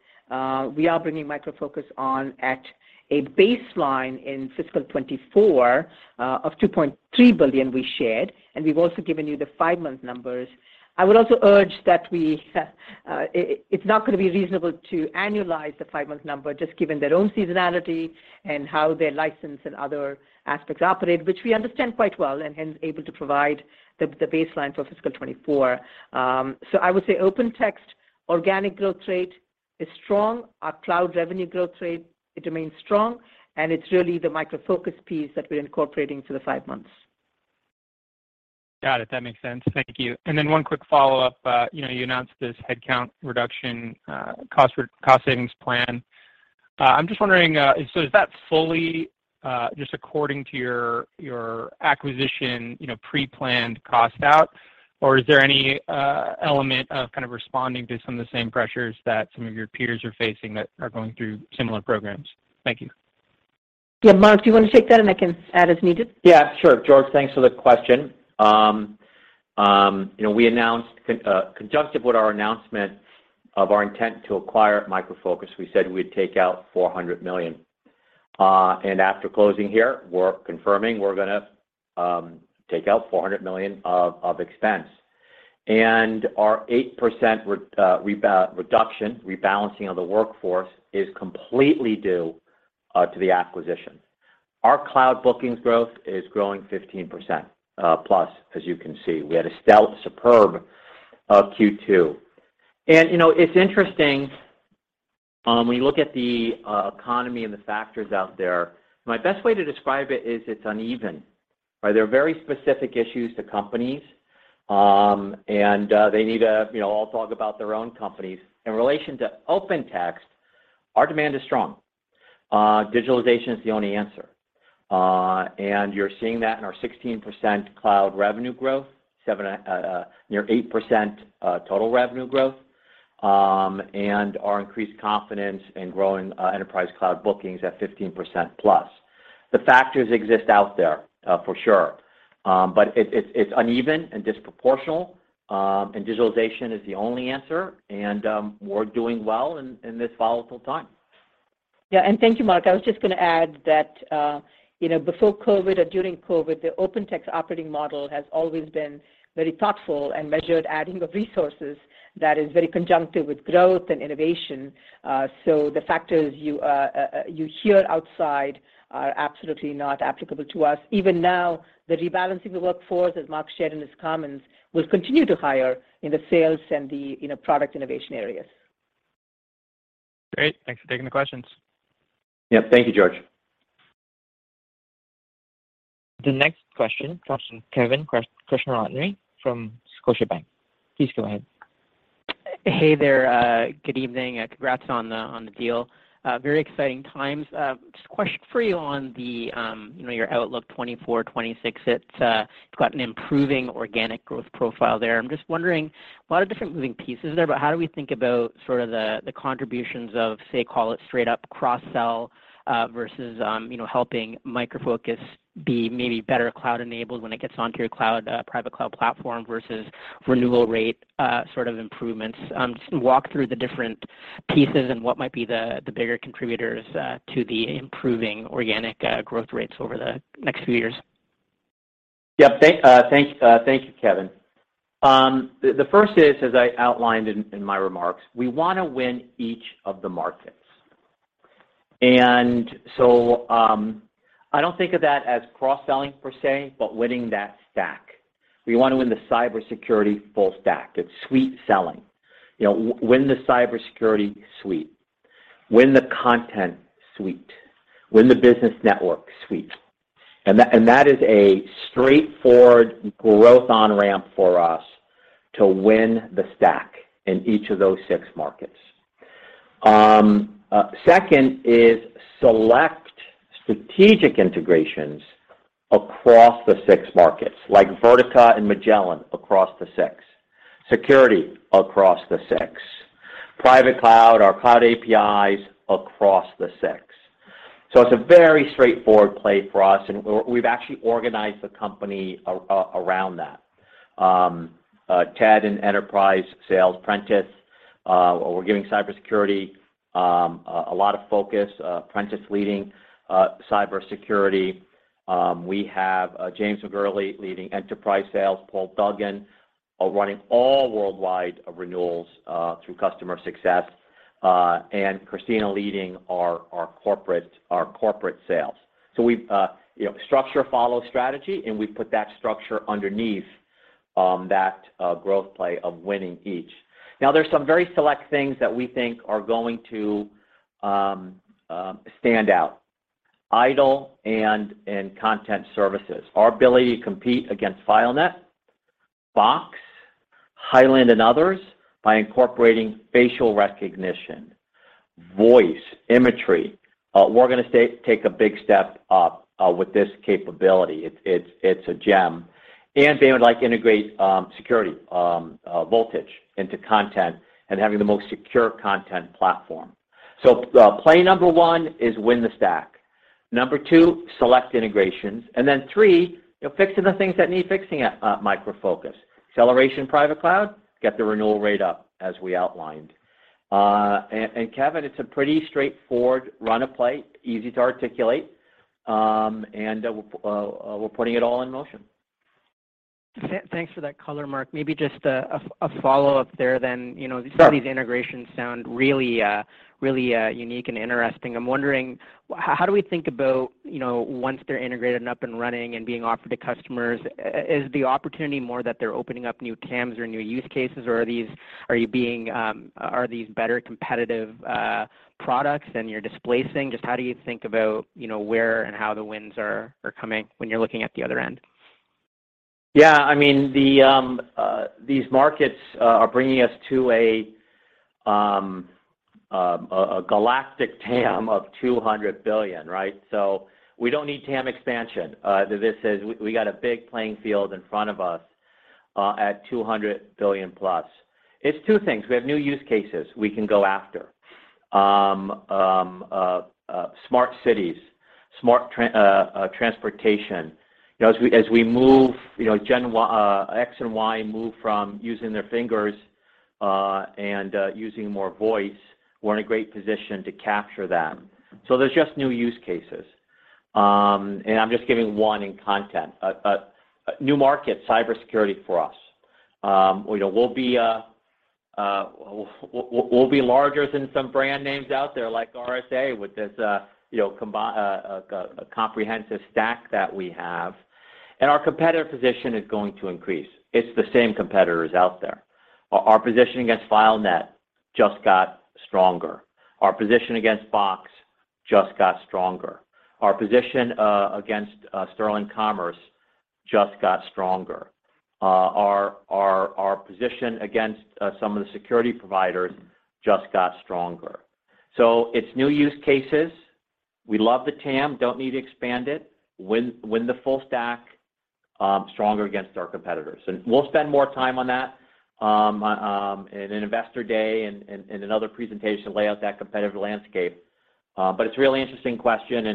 we are bringing Micro Focus on at a baseline in fiscal 2024 of $2.3 billion we shared, and we've also given you the five-month numbers. I would also urge that it's not going to be reasonable to annualize the five-month number just given their own seasonality and how their license and other aspects operate, which we understand quite well and hence able to provide the baseline for fiscal 2024. I would say OpenText organic growth rate is strong. Our cloud revenue growth rate, it remains strong, and it's really the Micro Focus piece that we're incorporating for the five months. Got it. That makes sense. Thank you. One quick follow-up. You know, you announced this headcount reduction, cost savings plan. I'm just wondering, so is that fully, just according to your acquisition, you know, pre-planned cost out, or is there any, element of kind of responding to some of the same pressures that some of your peers are facing that are going through similar programs? Thank you. Mark, do you wanna take that and I can add as needed? Sure. George, thanks for the question. you know, we announced conjunctive with our announcement of our intent to acquire Micro Focus, we said we'd take out $400 million. After closing here, we're confirming we're gonna take out $400 million of expense. Our 8% reduction, rebalancing of the workforce is completely due to the acquisition. Our cloud bookings growth is growing 15% plus, as you can see. We had a stealth superb Q2. you know, it's interesting, when you look at the economy and the factors out there. My best way to describe it is it's uneven, right? There are very specific issues to companies. They need to, you know, all talk about their own companies. In relation to OpenText, our demand is strong. Digitalization is the only answer. You're seeing that in our 16% cloud revenue growth, 7%, near 8% total revenue growth, and our increased confidence in growing, enterprise cloud bookings at 15%+. The factors exist out there, for sure. It's uneven and disproportional, and digitalization is the only answer, and we're doing well in this volatile time. Yeah, thank you, Mark. I was just gonna add that, you know, before COVID or during COVID, the OpenText operating model has always been very thoughtful and measured adding of resources that is very conjunctive with growth and innovation. The factors you hear outside are absolutely not applicable to us. Even now, the rebalancing the workforce, as Mark shared in his comments, we'll continue to hire in the sales and the, you know, product innovation areas. Great. Thanks for taking the questions. Yeah. Thank you, George. The next question comes from Kevin Krishnaratne from Scotiabank. Please go ahead. Hey there. Good evening. Congrats on the, on the deal. Very exciting times. Just a question for you on the, you know, your outlook 2024, 2026. It's got an improving organic growth profile there. I'm just wondering, a lot of different moving pieces there. How do we think about sort of the contributions of, say, call it straight up cross-sell, versus, you know, helping Micro Focus be maybe better cloud-enabled when it gets onto your cloud, private cloud platform versus renewal rate, sort of improvements? Just walk through the different pieces and what might be the bigger contributors, to the improving organic, growth rates over the next few years. Thank you, Kevin. The first is, as I outlined in my remarks, we wanna win each of the markets. I don't think of that as cross-selling per se, but winning that stack. We wanna win the cybersecurity full stack. It's suite selling. You know, win the cybersecurity suite, win the content suite, win the business network suite. That is a straightforward growth on-ramp for us to win the stack in each of those six markets. Second is select strategic integrations across the six markets, like Vertica and Magellan across the six, security across the six, private cloud, our cloud APIs across the six. It's a very straightforward play for us, and we're, we've actually organized the company around that. Ted in Enterprise Sales, Prentiss. We're giving Cybersecurity a lot of focus, Prentiss leading Cybersecurity. We have James McGourlay leading International Sales, Paul Duggan running all worldwide renewals through customer success, and Kristina leading our Corporate Sales. We've, you know, structure follows strategy, and we put that structure underneath that growth play of winning each. Now, there's some very select things that we think are going to stand out, IDOL and content services. Our ability to compete against FileNet, Box, Hyland and others by incorporating facial recognition, voice, imagery. We're gonna take a big step up with this capability. It's, it's a gem. Being able to, like, integrate security, Voltage into content and having the most secure content platform. Play number one is win the stack. Number two, select integrations. Three, you know, fixing the things that need fixing at Micro Focus. Acceleration private cloud, get the renewal rate up as we outlined. Kevin, it's a pretty straightforward run of play, easy to articulate, we're putting it all in motion. Thanks for that color, Mark. Maybe just a follow-up there then. You know- Sure... some of these integrations sound really, really unique and interesting. I'm wondering how do we think about, you know, once they're integrated and up and running and being offered to customers, is the opportunity more that they're opening up new TAMs or new use cases, or are you being, are these better competitive products than you're displacing? Just how do you think about, you know, where and how the wins are coming when you're looking at the other end? Yeah. I mean, the these markets are bringing us to a galactic TAM of $200 billion, right? We don't need TAM expansion. We got a big playing field in front of us at $200 billion+. It's two things. We have new use cases we can go after. Smart cities, smart transportation. You know, as we move, you know, Gen X and Y move from using their fingers and using more voice, we're in a great position to capture them. There's just new use cases. I'm just giving one in content. A new market, cybersecurity for us. You know, we'll be larger than some brand names out there like RSA with this, you know, a comprehensive stack that we have. Our competitive position is going to increase. It's the same competitors out there. Our position against FileNet just got stronger. Our position against Box just got stronger. Our position against Sterling Commerce just got stronger. Our position against some of the security providers just got stronger. It's new use cases. We love the TAM, don't need to expand it. Win the full stack, stronger against our competitors. We'll spend more time on that in an investor day and another presentation to lay out that competitive landscape. It's a really interesting question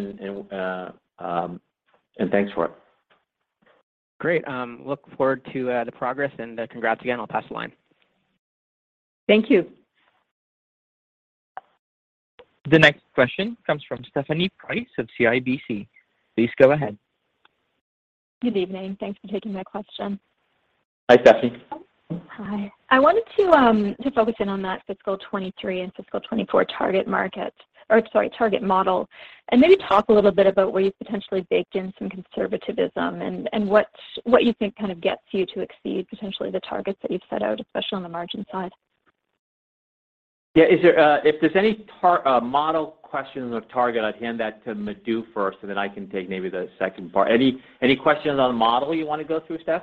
and thanks for it. Great. Look forward to the progress and congrats again. I'll pass the line. Thank you. The next question comes from Stephanie Price of CIBC. Please go ahead. Good evening. Thanks for taking my question. Hi, Stephanie. Hi. I wanted to focus in on that fiscal 2023 and fiscal 2024 target market or, sorry, target model, and maybe talk a little bit about where you've potentially baked in some conservatism and what you think kind of gets you to exceed potentially the targets that you've set out, especially on the margin side. Yeah. If there's any model questions or target, I'd hand that to Madhu first, and then I can take maybe the second part. Any questions on the model you wanna go through, Steph?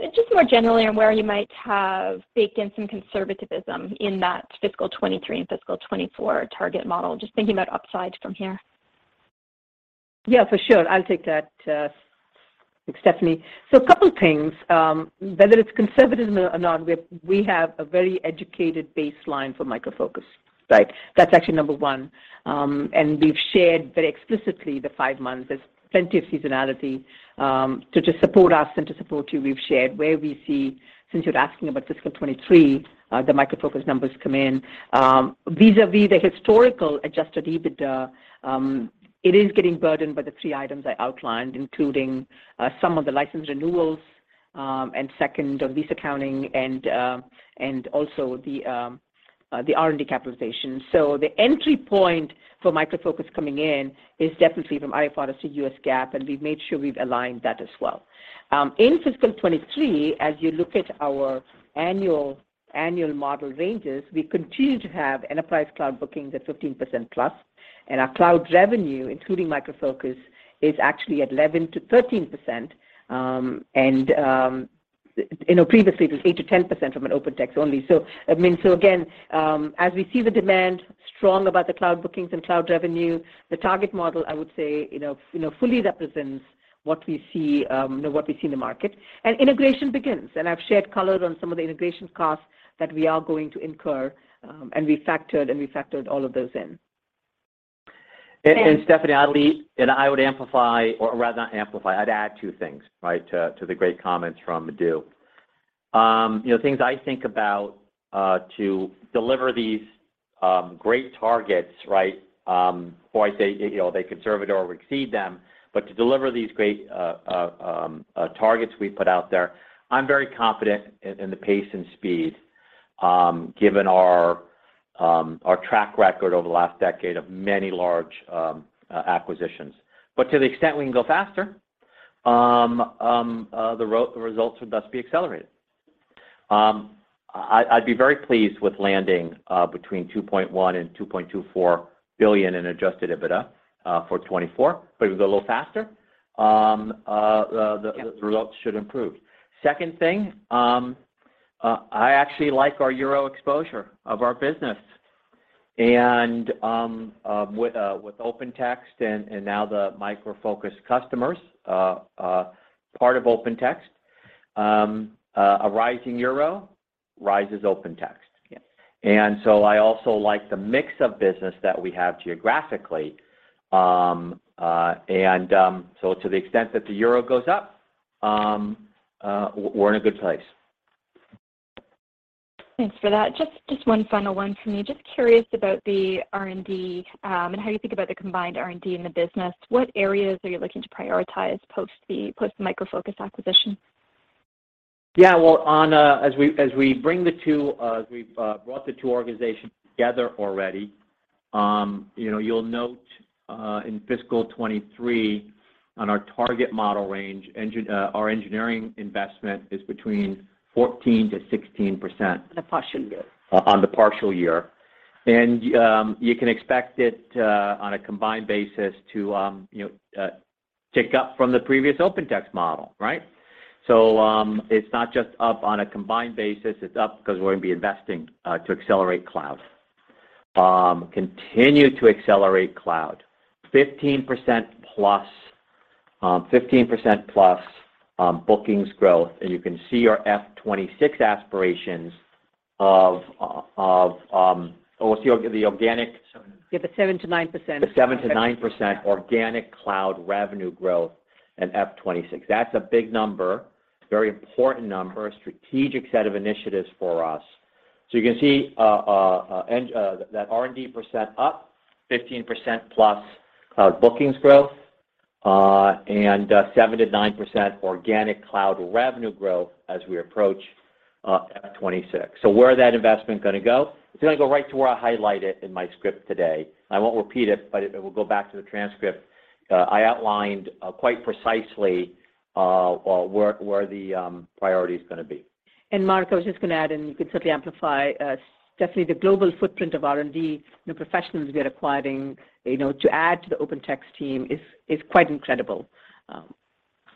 Just more generally on where you might have baked in some conservatism in that fiscal 2023 and fiscal 2024 target model. Just thinking about upside from here. Yeah, for sure. I'll take that, Stephanie. A couple things, whether it's conservatism or not, we have a very educated baseline for Micro Focus, right? That's actually number one. We've shared very explicitly the five months. There's plenty of seasonality to just support us and to support you. We've shared where we see. Since you're asking about fiscal 2023, the Micro Focus numbers come in. Vis-à-vis the historical Adjusted EBITDA, it is getting burdened by the three items I outlined, including some of the license renewals, and second, the lease accounting and also the R&D capitalization. The entry point for Micro Focus coming in is definitely from IFRS to U.S. GAAP, and we've made sure we've aligned that as well. In fiscal 2023, as you look at our annual model ranges, we continue to have enterprise cloud bookings at 15%+. Our cloud revenue, including Micro Focus, is actually at 11%-13%. You know, previously it was 8%-10% from an OpenText only. I mean, again, as we see the demand strong about the cloud bookings and cloud revenue, the target model, I would say, you know, fully represents what we see in the market. Integration begins, I've shared color on some of the integration costs that we are going to incur, and we factored all of those in. Stephanie, I would amplify, or rather not amplify, I'd add two things, right, to the great comments from Madhu. you know, things I think about to deliver these great targets, right, before I say, you know, are they conservative or exceed them, but to deliver these great targets we put out there. I'm very confident in the pace and speed given our track record over the last decade of many large acquisitions. To the extent we can go faster, the results would thus be accelerated. I'd be very pleased with landing between $2.1 billion and $2.24 billion in Adjusted EBITDA for 2024. If it was a little faster, the results should improve. Second thing, I actually like our euro exposure of our business and, with OpenText and now the Micro Focus customers, part of OpenText. A rising euro rises OpenText. Yes. I also like the mix of business that we have geographically. To the extent that the euro goes up, we're in a good place. Thanks for that. Just one final one from me. Just curious about the R&D, and how you think about the combined R&D in the business. What areas are you looking to prioritize post the Micro Focus acquisition? Yeah. Well, on, as we bring the two, we've, brought the two organizations together already, you know, you'll note, in fiscal 2023 on our target model range our engineering investment is between 14%-16%. The partial year. On the partial year. You can expect it, on a combined basis to, you know, tick up from the previous OpenText model, right? It's not just up on a combined basis, it's up 'cause we're gonna be investing, to accelerate cloud. Continue to accelerate cloud. 15%+ bookings growth. You can see our FY 2026 aspirations. Oh, what's the organic-? Seven. Yeah, the 7%-9%. The 7%-9% organic cloud revenue growth in FY 2026. That's a big number, very important number, a strategic set of initiatives for us. You can see that R&D percent up, 15% plus cloud bookings growth, and 7%-9% organic cloud revenue growth as we approach 2026. Where is that investment gonna go? It's gonna go right to where I highlight it in my script today. I won't repeat it, but we'll go back to the transcript. I outlined quite precisely where the priority is gonna be. Mark, I was just gonna add, and you could certainly amplify, definitely the global footprint of R&D, the professionals we are acquiring, you know, to add to the OpenText team is quite incredible.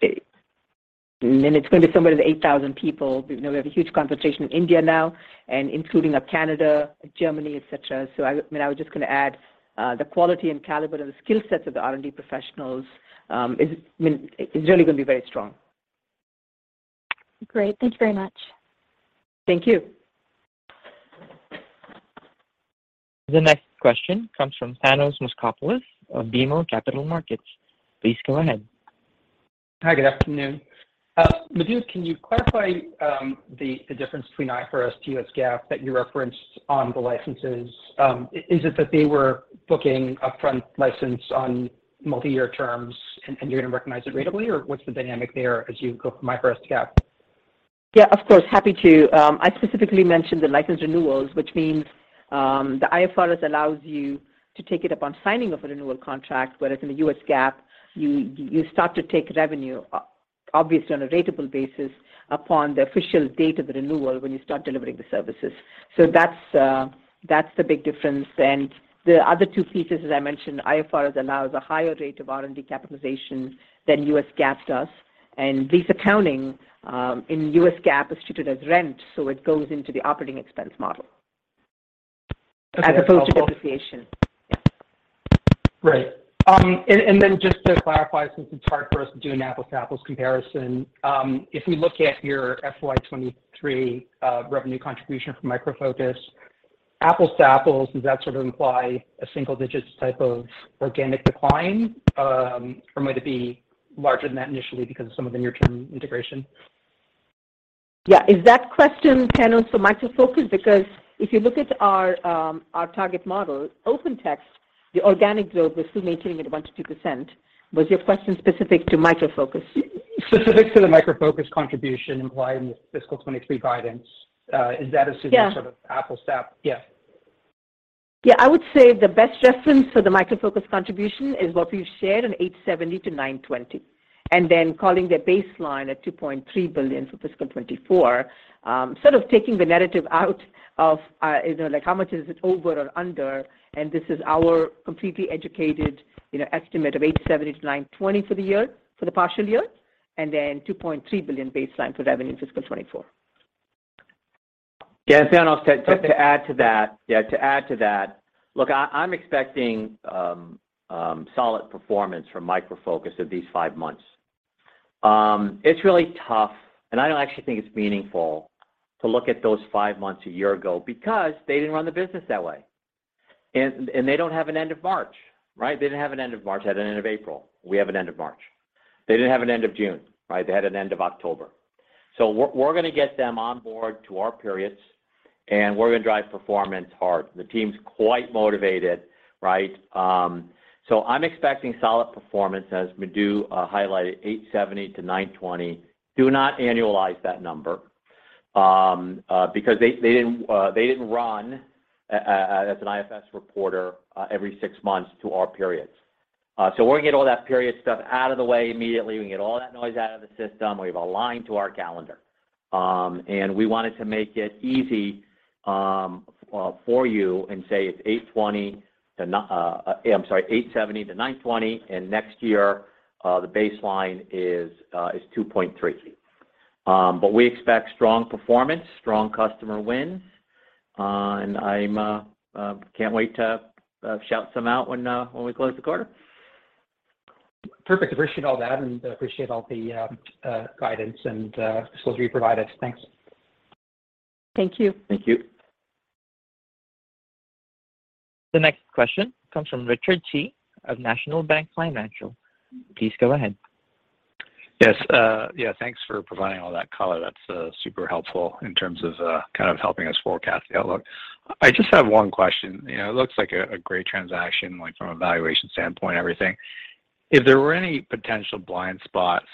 It's gonna be somewhere to the 8,000 people. You know, we have a huge concentration in India now and including of Canada, Germany, et cetera. I mean, I was just gonna add, the quality and caliber and the skill sets of the R&D professionals, is, I mean, is really gonna be very strong. Great. Thank you very much. Thank you. The next question comes from Thanos Moschopoulos of BMO Capital Markets. Please go ahead. Hi, good afternoon. Madhu, can you clarify the difference between IFRS to U.S. GAAP that you referenced on the licenses? Is it that they were booking upfront license on multi-year terms and you're gonna recognize it ratably, or what's the dynamic there as you go from IFRS to GAAP? Yeah, of course. Happy to. I specifically mentioned the license renewals, which means, the IFRS allows you to take it upon signing of a renewal contract, whereas in the U.S. GAAP, you start to take revenue, obviously on a ratable basis, upon the official date of the renewal when you start delivering the services. That's the big difference. The other two pieces, as I mentioned, IFRS allows a higher rate of R&D capitalization than U.S. GAAP does, and lease accounting, in U.S. GAAP is treated as rent, so it goes into the operating expense model. Okay. As opposed to depreciation. Yeah. Right. Then just to clarify, since it's hard for us to do an apples to apples comparison, if we look at your FY 2023 revenue contribution from Micro Focus, apples to apples, does that sort of imply a single-digits type of organic decline, or might it be larger than that initially because of some of the near-term integration? Yeah. Is that question, Thanos, for Micro Focus? If you look at our target model, OpenText, the organic growth is still maintaining at 1%-2%. Was your question specific to Micro Focus? Specific to the Micro Focus contribution implied in the fiscal 2023 guidance, is that? Yeah. Sort of apples-to-apples? Yeah. Yeah. I would say the best reference for the Micro Focus contribution is what we've shared on $870 million-$920 million, and then calling the baseline at $2.3 billion for fiscal 2024, sort of taking the narrative out of, you know, like how much is it over or under, and this is our completely educated, you know, estimate of $870 million-$920 million for the year, for the partial year, and then $2.3 billion baseline for revenue in fiscal 2024. Yeah. Thanos, to add to that, look, I'm expecting solid performance from Micro Focus of these five months. It's really tough, and I don't actually think it's meaningful to look at those five months a year ago because they didn't run the business that way, and they don't have an end of March, right? They didn't have an end of March. They had an end of April. We have an end of March. They didn't have an end of June, right? They had an end of October. We're gonna get them on board to our periods, and we're gonna drive performance hard. The team's quite motivated, right? I'm expecting solid performance, as Madhu highlighted, $870-$920. Do not annualize that number, because they didn't run as an IFRS reporter every six months to our periods. We're gonna get all that period stuff out of the way immediately. We can get all that noise out of the system. We've aligned to our calendar. We wanted to make it easy for you and say it's $870-$920, and next year, the baseline is $2.3. We expect strong performance, strong customer wins, and I'm can't wait to shout some out when we close the quarter. Perfect. Appreciate all that and appreciate all the guidance and disclosure you provided. Thanks. Thank you. Thank you. The next question comes from Richard Tse of National Bank Financial. Please go ahead. Yes. Yeah, thanks for providing all that color. That's, super helpful in terms of, kind of helping us forecast the outlook. I just have one question. You know, it looks like a great transaction, like from a valuation standpoint and everything. If there were any potential blind spots,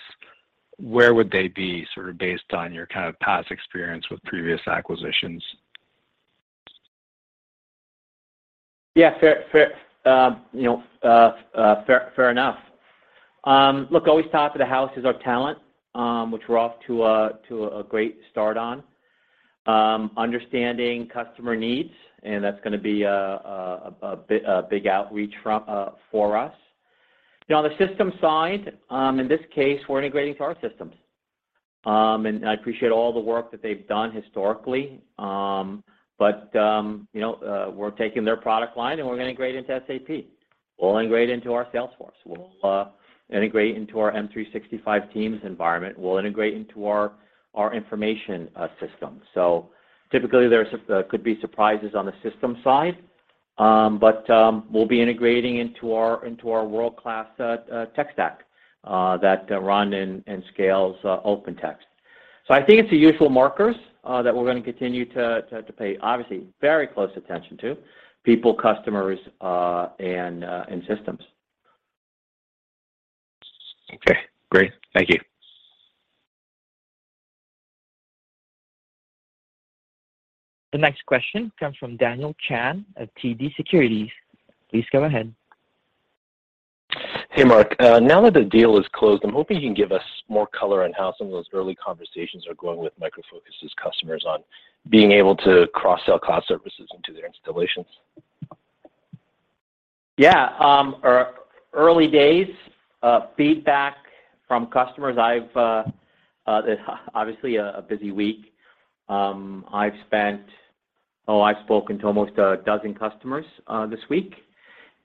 where would they be, sort of based on your kind of past experience with previous acquisitions? Fair, you know, fair enough. Look, always top of the house is our talent, which we're off to a great start on. Understanding customer needs, and that's gonna be a big outreach from for us. You know, on the system side, in this case, we're integrating to our systems. I appreciate all the work that they've done historically, but, you know, we're taking their product line, and we're gonna integrate into SAP. We'll integrate into our Salesforce. We'll integrate into our M365 Teams environment. We'll integrate into our information system. Typically, there's could be surprises on the system side, but we'll be integrating into our world-class tech stack that run and scales OpenText. I think it's the usual markers that we're gonna continue to pay obviously very close attention to: people, customers, and systems. Okay, great. Thank you. The next question comes from Daniel Chan at TD Securities. Please go ahead. Hey, Mark. now that the deal is closed, I'm hoping you can give us more color on how some of those early conversations are going with Micro Focus' customers on being able to cross-sell cloud services into their installations. Early days feedback from customers I've. Obviously a busy week. I've spoken to almost 12 customers this week,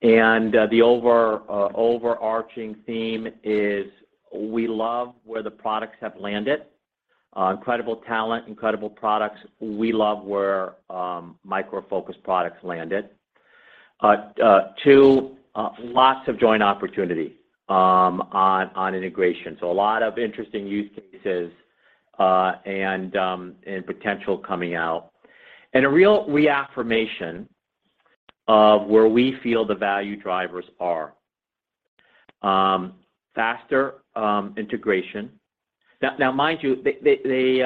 and the overarching theme is we love where the products have landed. Incredible talent, incredible products. We love where Micro Focus products landed. Two, lots of joint opportunity on integration. A lot of interesting use cases and potential coming out. A real reaffirmation of where we feel the value drivers are. Faster integration. Mind you, they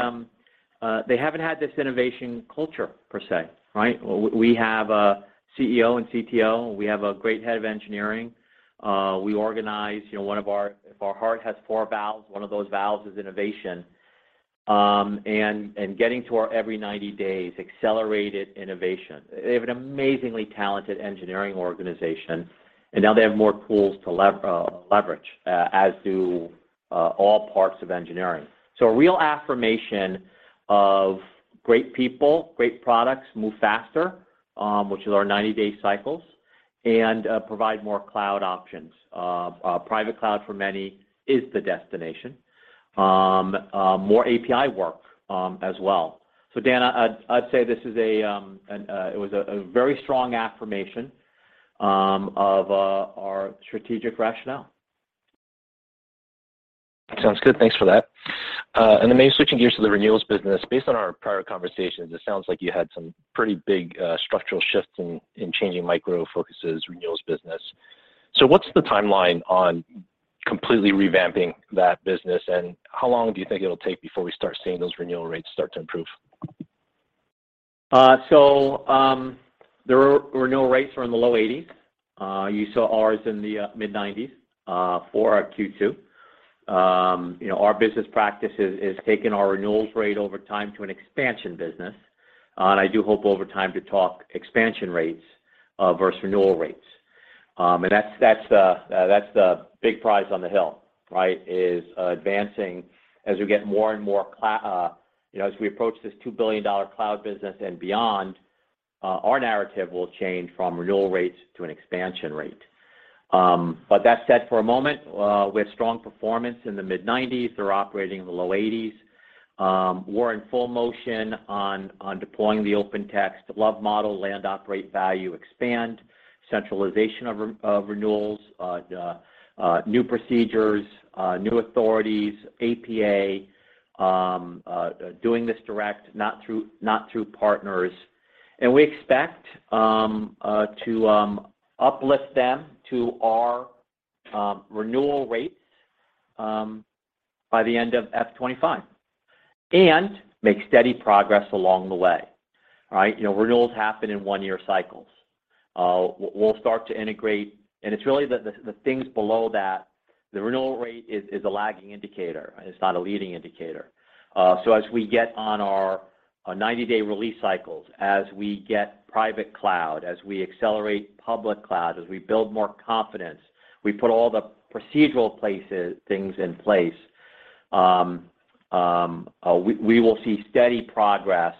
haven't had this innovation culture per se, right? We have a CEO and CTO. We have a great head of engineering. We organize, you know, one of our If our heart has four valves, one of those valves is innovation. Getting to our every 90 days accelerated innovation. They have an amazingly talented engineering organization, and now they have more tools to leverage, as do all parts of engineering. A real affirmation of great people, great products move faster, which is our 90-day cycles, and provide more cloud options. Private cloud for many is the destination. More API work as well. Dan, I'd say this is a. It was a very strong affirmation of our strategic rationale. Sounds good. Thanks for that. Maybe switching gears to the renewals business. Based on our prior conversations, it sounds like you had some pretty big structural shifts in changing Micro Focus' renewals business. What's the timeline on completely revamping that business, and how long do you think it'll take before we start seeing those renewal rates start to improve? The re-renewal rates are in the low 80s. You saw ours in the mid-90s for our Q2. You know, our business practice is taking our renewals rate over time to an expansion business, I do hope over time to talk expansion rates versus renewal rates. That's the big prize on the hill, right, is advancing as we get more and more, you know, as we approach this $2 billion cloud business and beyond, our narrative will change from renewal rates to an expansion rate. That said for a moment, we have strong performance in the mid-90s. They're operating in the low 80s. We're in full motion on deploying the OpenText LOVE model, land, operate, value, expand, centralization of renewals, the new procedures, new authorities, APA, doing this direct, not through partners. We expect to uplift them to our renewal rates by the end FY 2025, and make steady progress along the way. Right? You know, renewals happen in one-year cycles. We'll start to integrate. It's really the things below that. The renewal rate is a lagging indicator. It's not a leading indicator. As we get on our 90-day release cycles, as we get private cloud, as we accelerate public cloud, as we build more confidence, we put all the procedural things in place, we will see steady progress,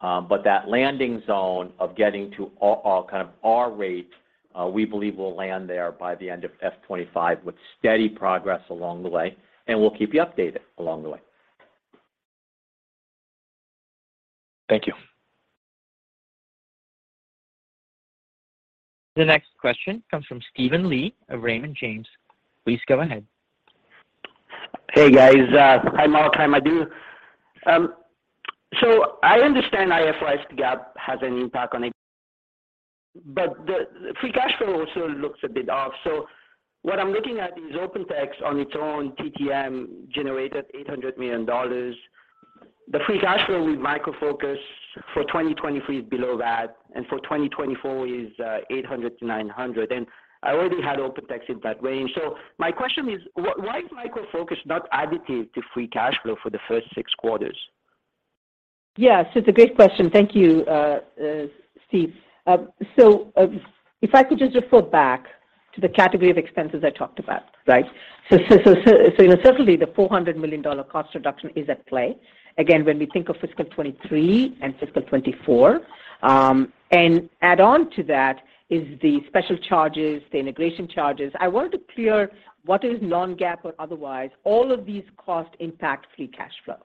but that landing zone of getting to our kind of our rate, we believe will land there by the end FY 2025 with steady progress along the way, and we'll keep you updated along the way. Thank you. The next question comes from Steven Li of Raymond James. Please go ahead. Hey, guys. Hi, Mark. Hi, Madhu. I understand IFRS GAAP has an impact on it, but the free cash flow also looks a bit off. What I'm looking at is OpenText on its own TTM generated $800 million. The free cash flow with Micro Focus for 2023 is below that, and for 2024 is $800 million-$900 million. I already had OpenText in that range. My question is, why is Micro Focus not additive to free cash flow for the first six quarters? It's a great question. Thank you, Steve. If I could just refer back to the category of expenses I talked about, right? You know, certainly the $400 million cost reduction is at play. Again, when we think of fiscal 2023 and fiscal 2024, and add on to that is the special charges, the integration charges. I wanted to clear what is non-GAAP or otherwise, all of these cost impact free cash flow.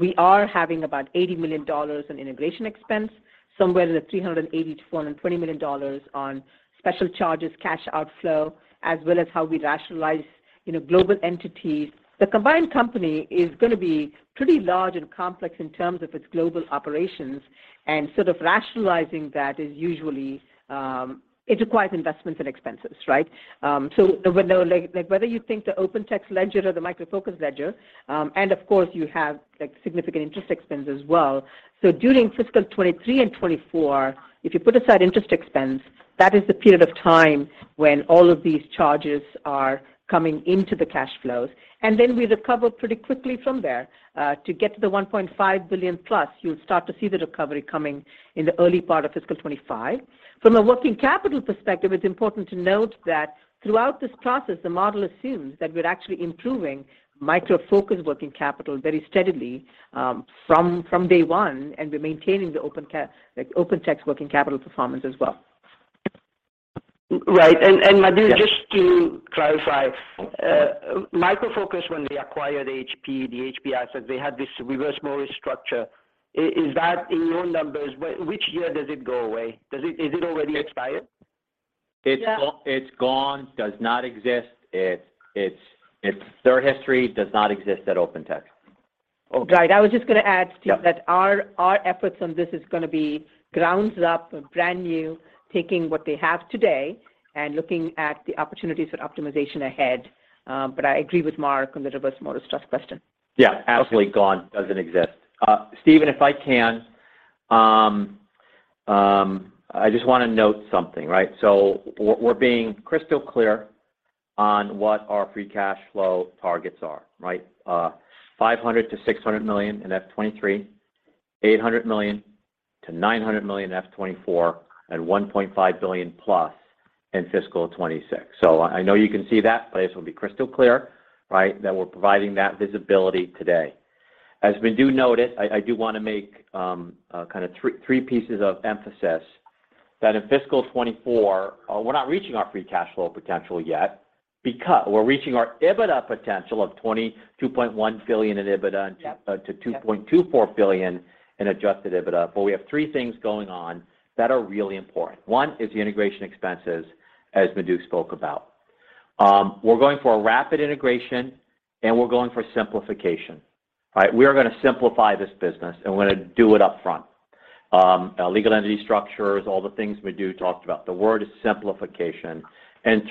We are having about $80 million in integration expense, somewhere in the $380 million-$420 million on special charges, cash outflow, as well as how we rationalize, you know, global entities. The combined company is gonna be pretty large and complex in terms of its global operations. Sort of rationalizing that is usually, it requires investments and expenses, right? When they're like whether you think the OpenText ledger or the Micro Focus ledger, of course you have like significant interest expense as well. During fiscal 2023 and 2024, if you put aside interest expense, that is the period of time when all of these charges are coming into the cash flows. Then we recover pretty quickly from there, to get to the $1.5 billion plus, you'll start to see the recovery coming in the early part of fiscal 2025. From a working capital perspective, it's important to note that throughout this process the model assumes that we're actually improving Micro Focus working capital very steadily, from day one, and we're maintaining the like OpenText working capital performance as well. Right. And Madhu. Yeah. Just to clarify, Micro Focus when they acquired HP, the HP assets, they had this Reverse Morris structure. Is that in your numbers? Which year does it go away? Is it already expired? Yeah. It's gone, does not exist. It's third history, does not exist at OpenText. Okay. Right. I was just gonna add, Steve- Yeah. ...that our efforts on this is gonna be grounds up, brand new, taking what they have today and looking at the opportunities for optimization ahead. I agree with Mark on the Reverse Morris Trust question. Yeah. Okay. Absolutely gone, doesn't exist. Steven, if I can, I just wanna note something, right? We're being crystal clear on what our free cash flow targets are, right? $500 million-$600 million in FY 2023, $800 million-$900 million in FY 2024, and $1.5 billion plus in fiscal 2026. I know you can see that place will be crystal clear, right? That we're providing that visibility today. As we do notice, I do wanna make a kind of three pieces of emphasis that in fiscal 2024, we're not reaching our free cash flow potential yet because we're reaching our EBITDA potential of $22.1 billion in EBITDA- Yeah. -and to, uh, $2.24 Billion- Yeah. in Adjusted EBITDA. We have three things going on that are really important. One is the integration expenses as Madhu spoke about. We're going for a rapid integration, and we're going for simplification, right? We are gonna simplify this business, and we're gonna do it upfront. legal entity structures, all the things Madhu talked about. The word is simplification.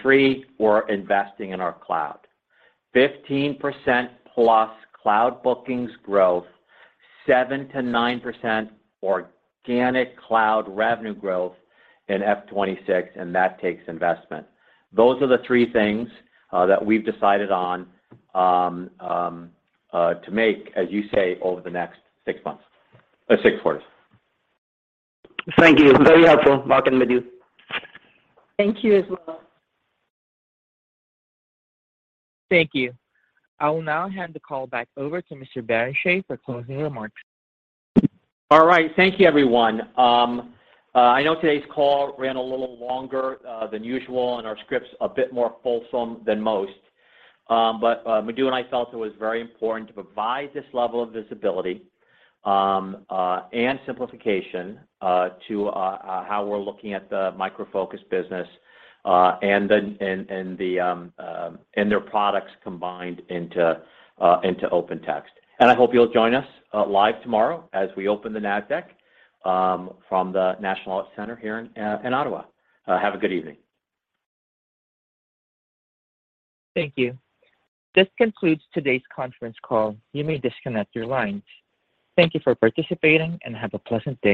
Three, we're investing in our cloud. 15% plus cloud bookings growth, 7%-9% organic cloud revenue growth in FY 2026, and that takes investment. Those are the three things that we've decided on to make, as you say, over the next six months or six quarters. Thank you. Very helpful, Mark and Madhu. Thank you as well. Thank you. I will now hand the call back over to Mr. Barrenechea for closing remarks. All right. Thank you, everyone. I know today's call ran a little longer than usual, and our script's a bit more fulsome than most. Madhu and I felt it was very important to provide this level of visibility and simplification to how we're looking at the Micro Focus business and their products combined into OpenText. I hope you'll join us live tomorrow as we open the Nasdaq from the National Arts Center here in Ottawa. Have a good evening. Thank you. This concludes today's conference call. You may disconnect your lines. Thank you for participating, and have a pleasant day.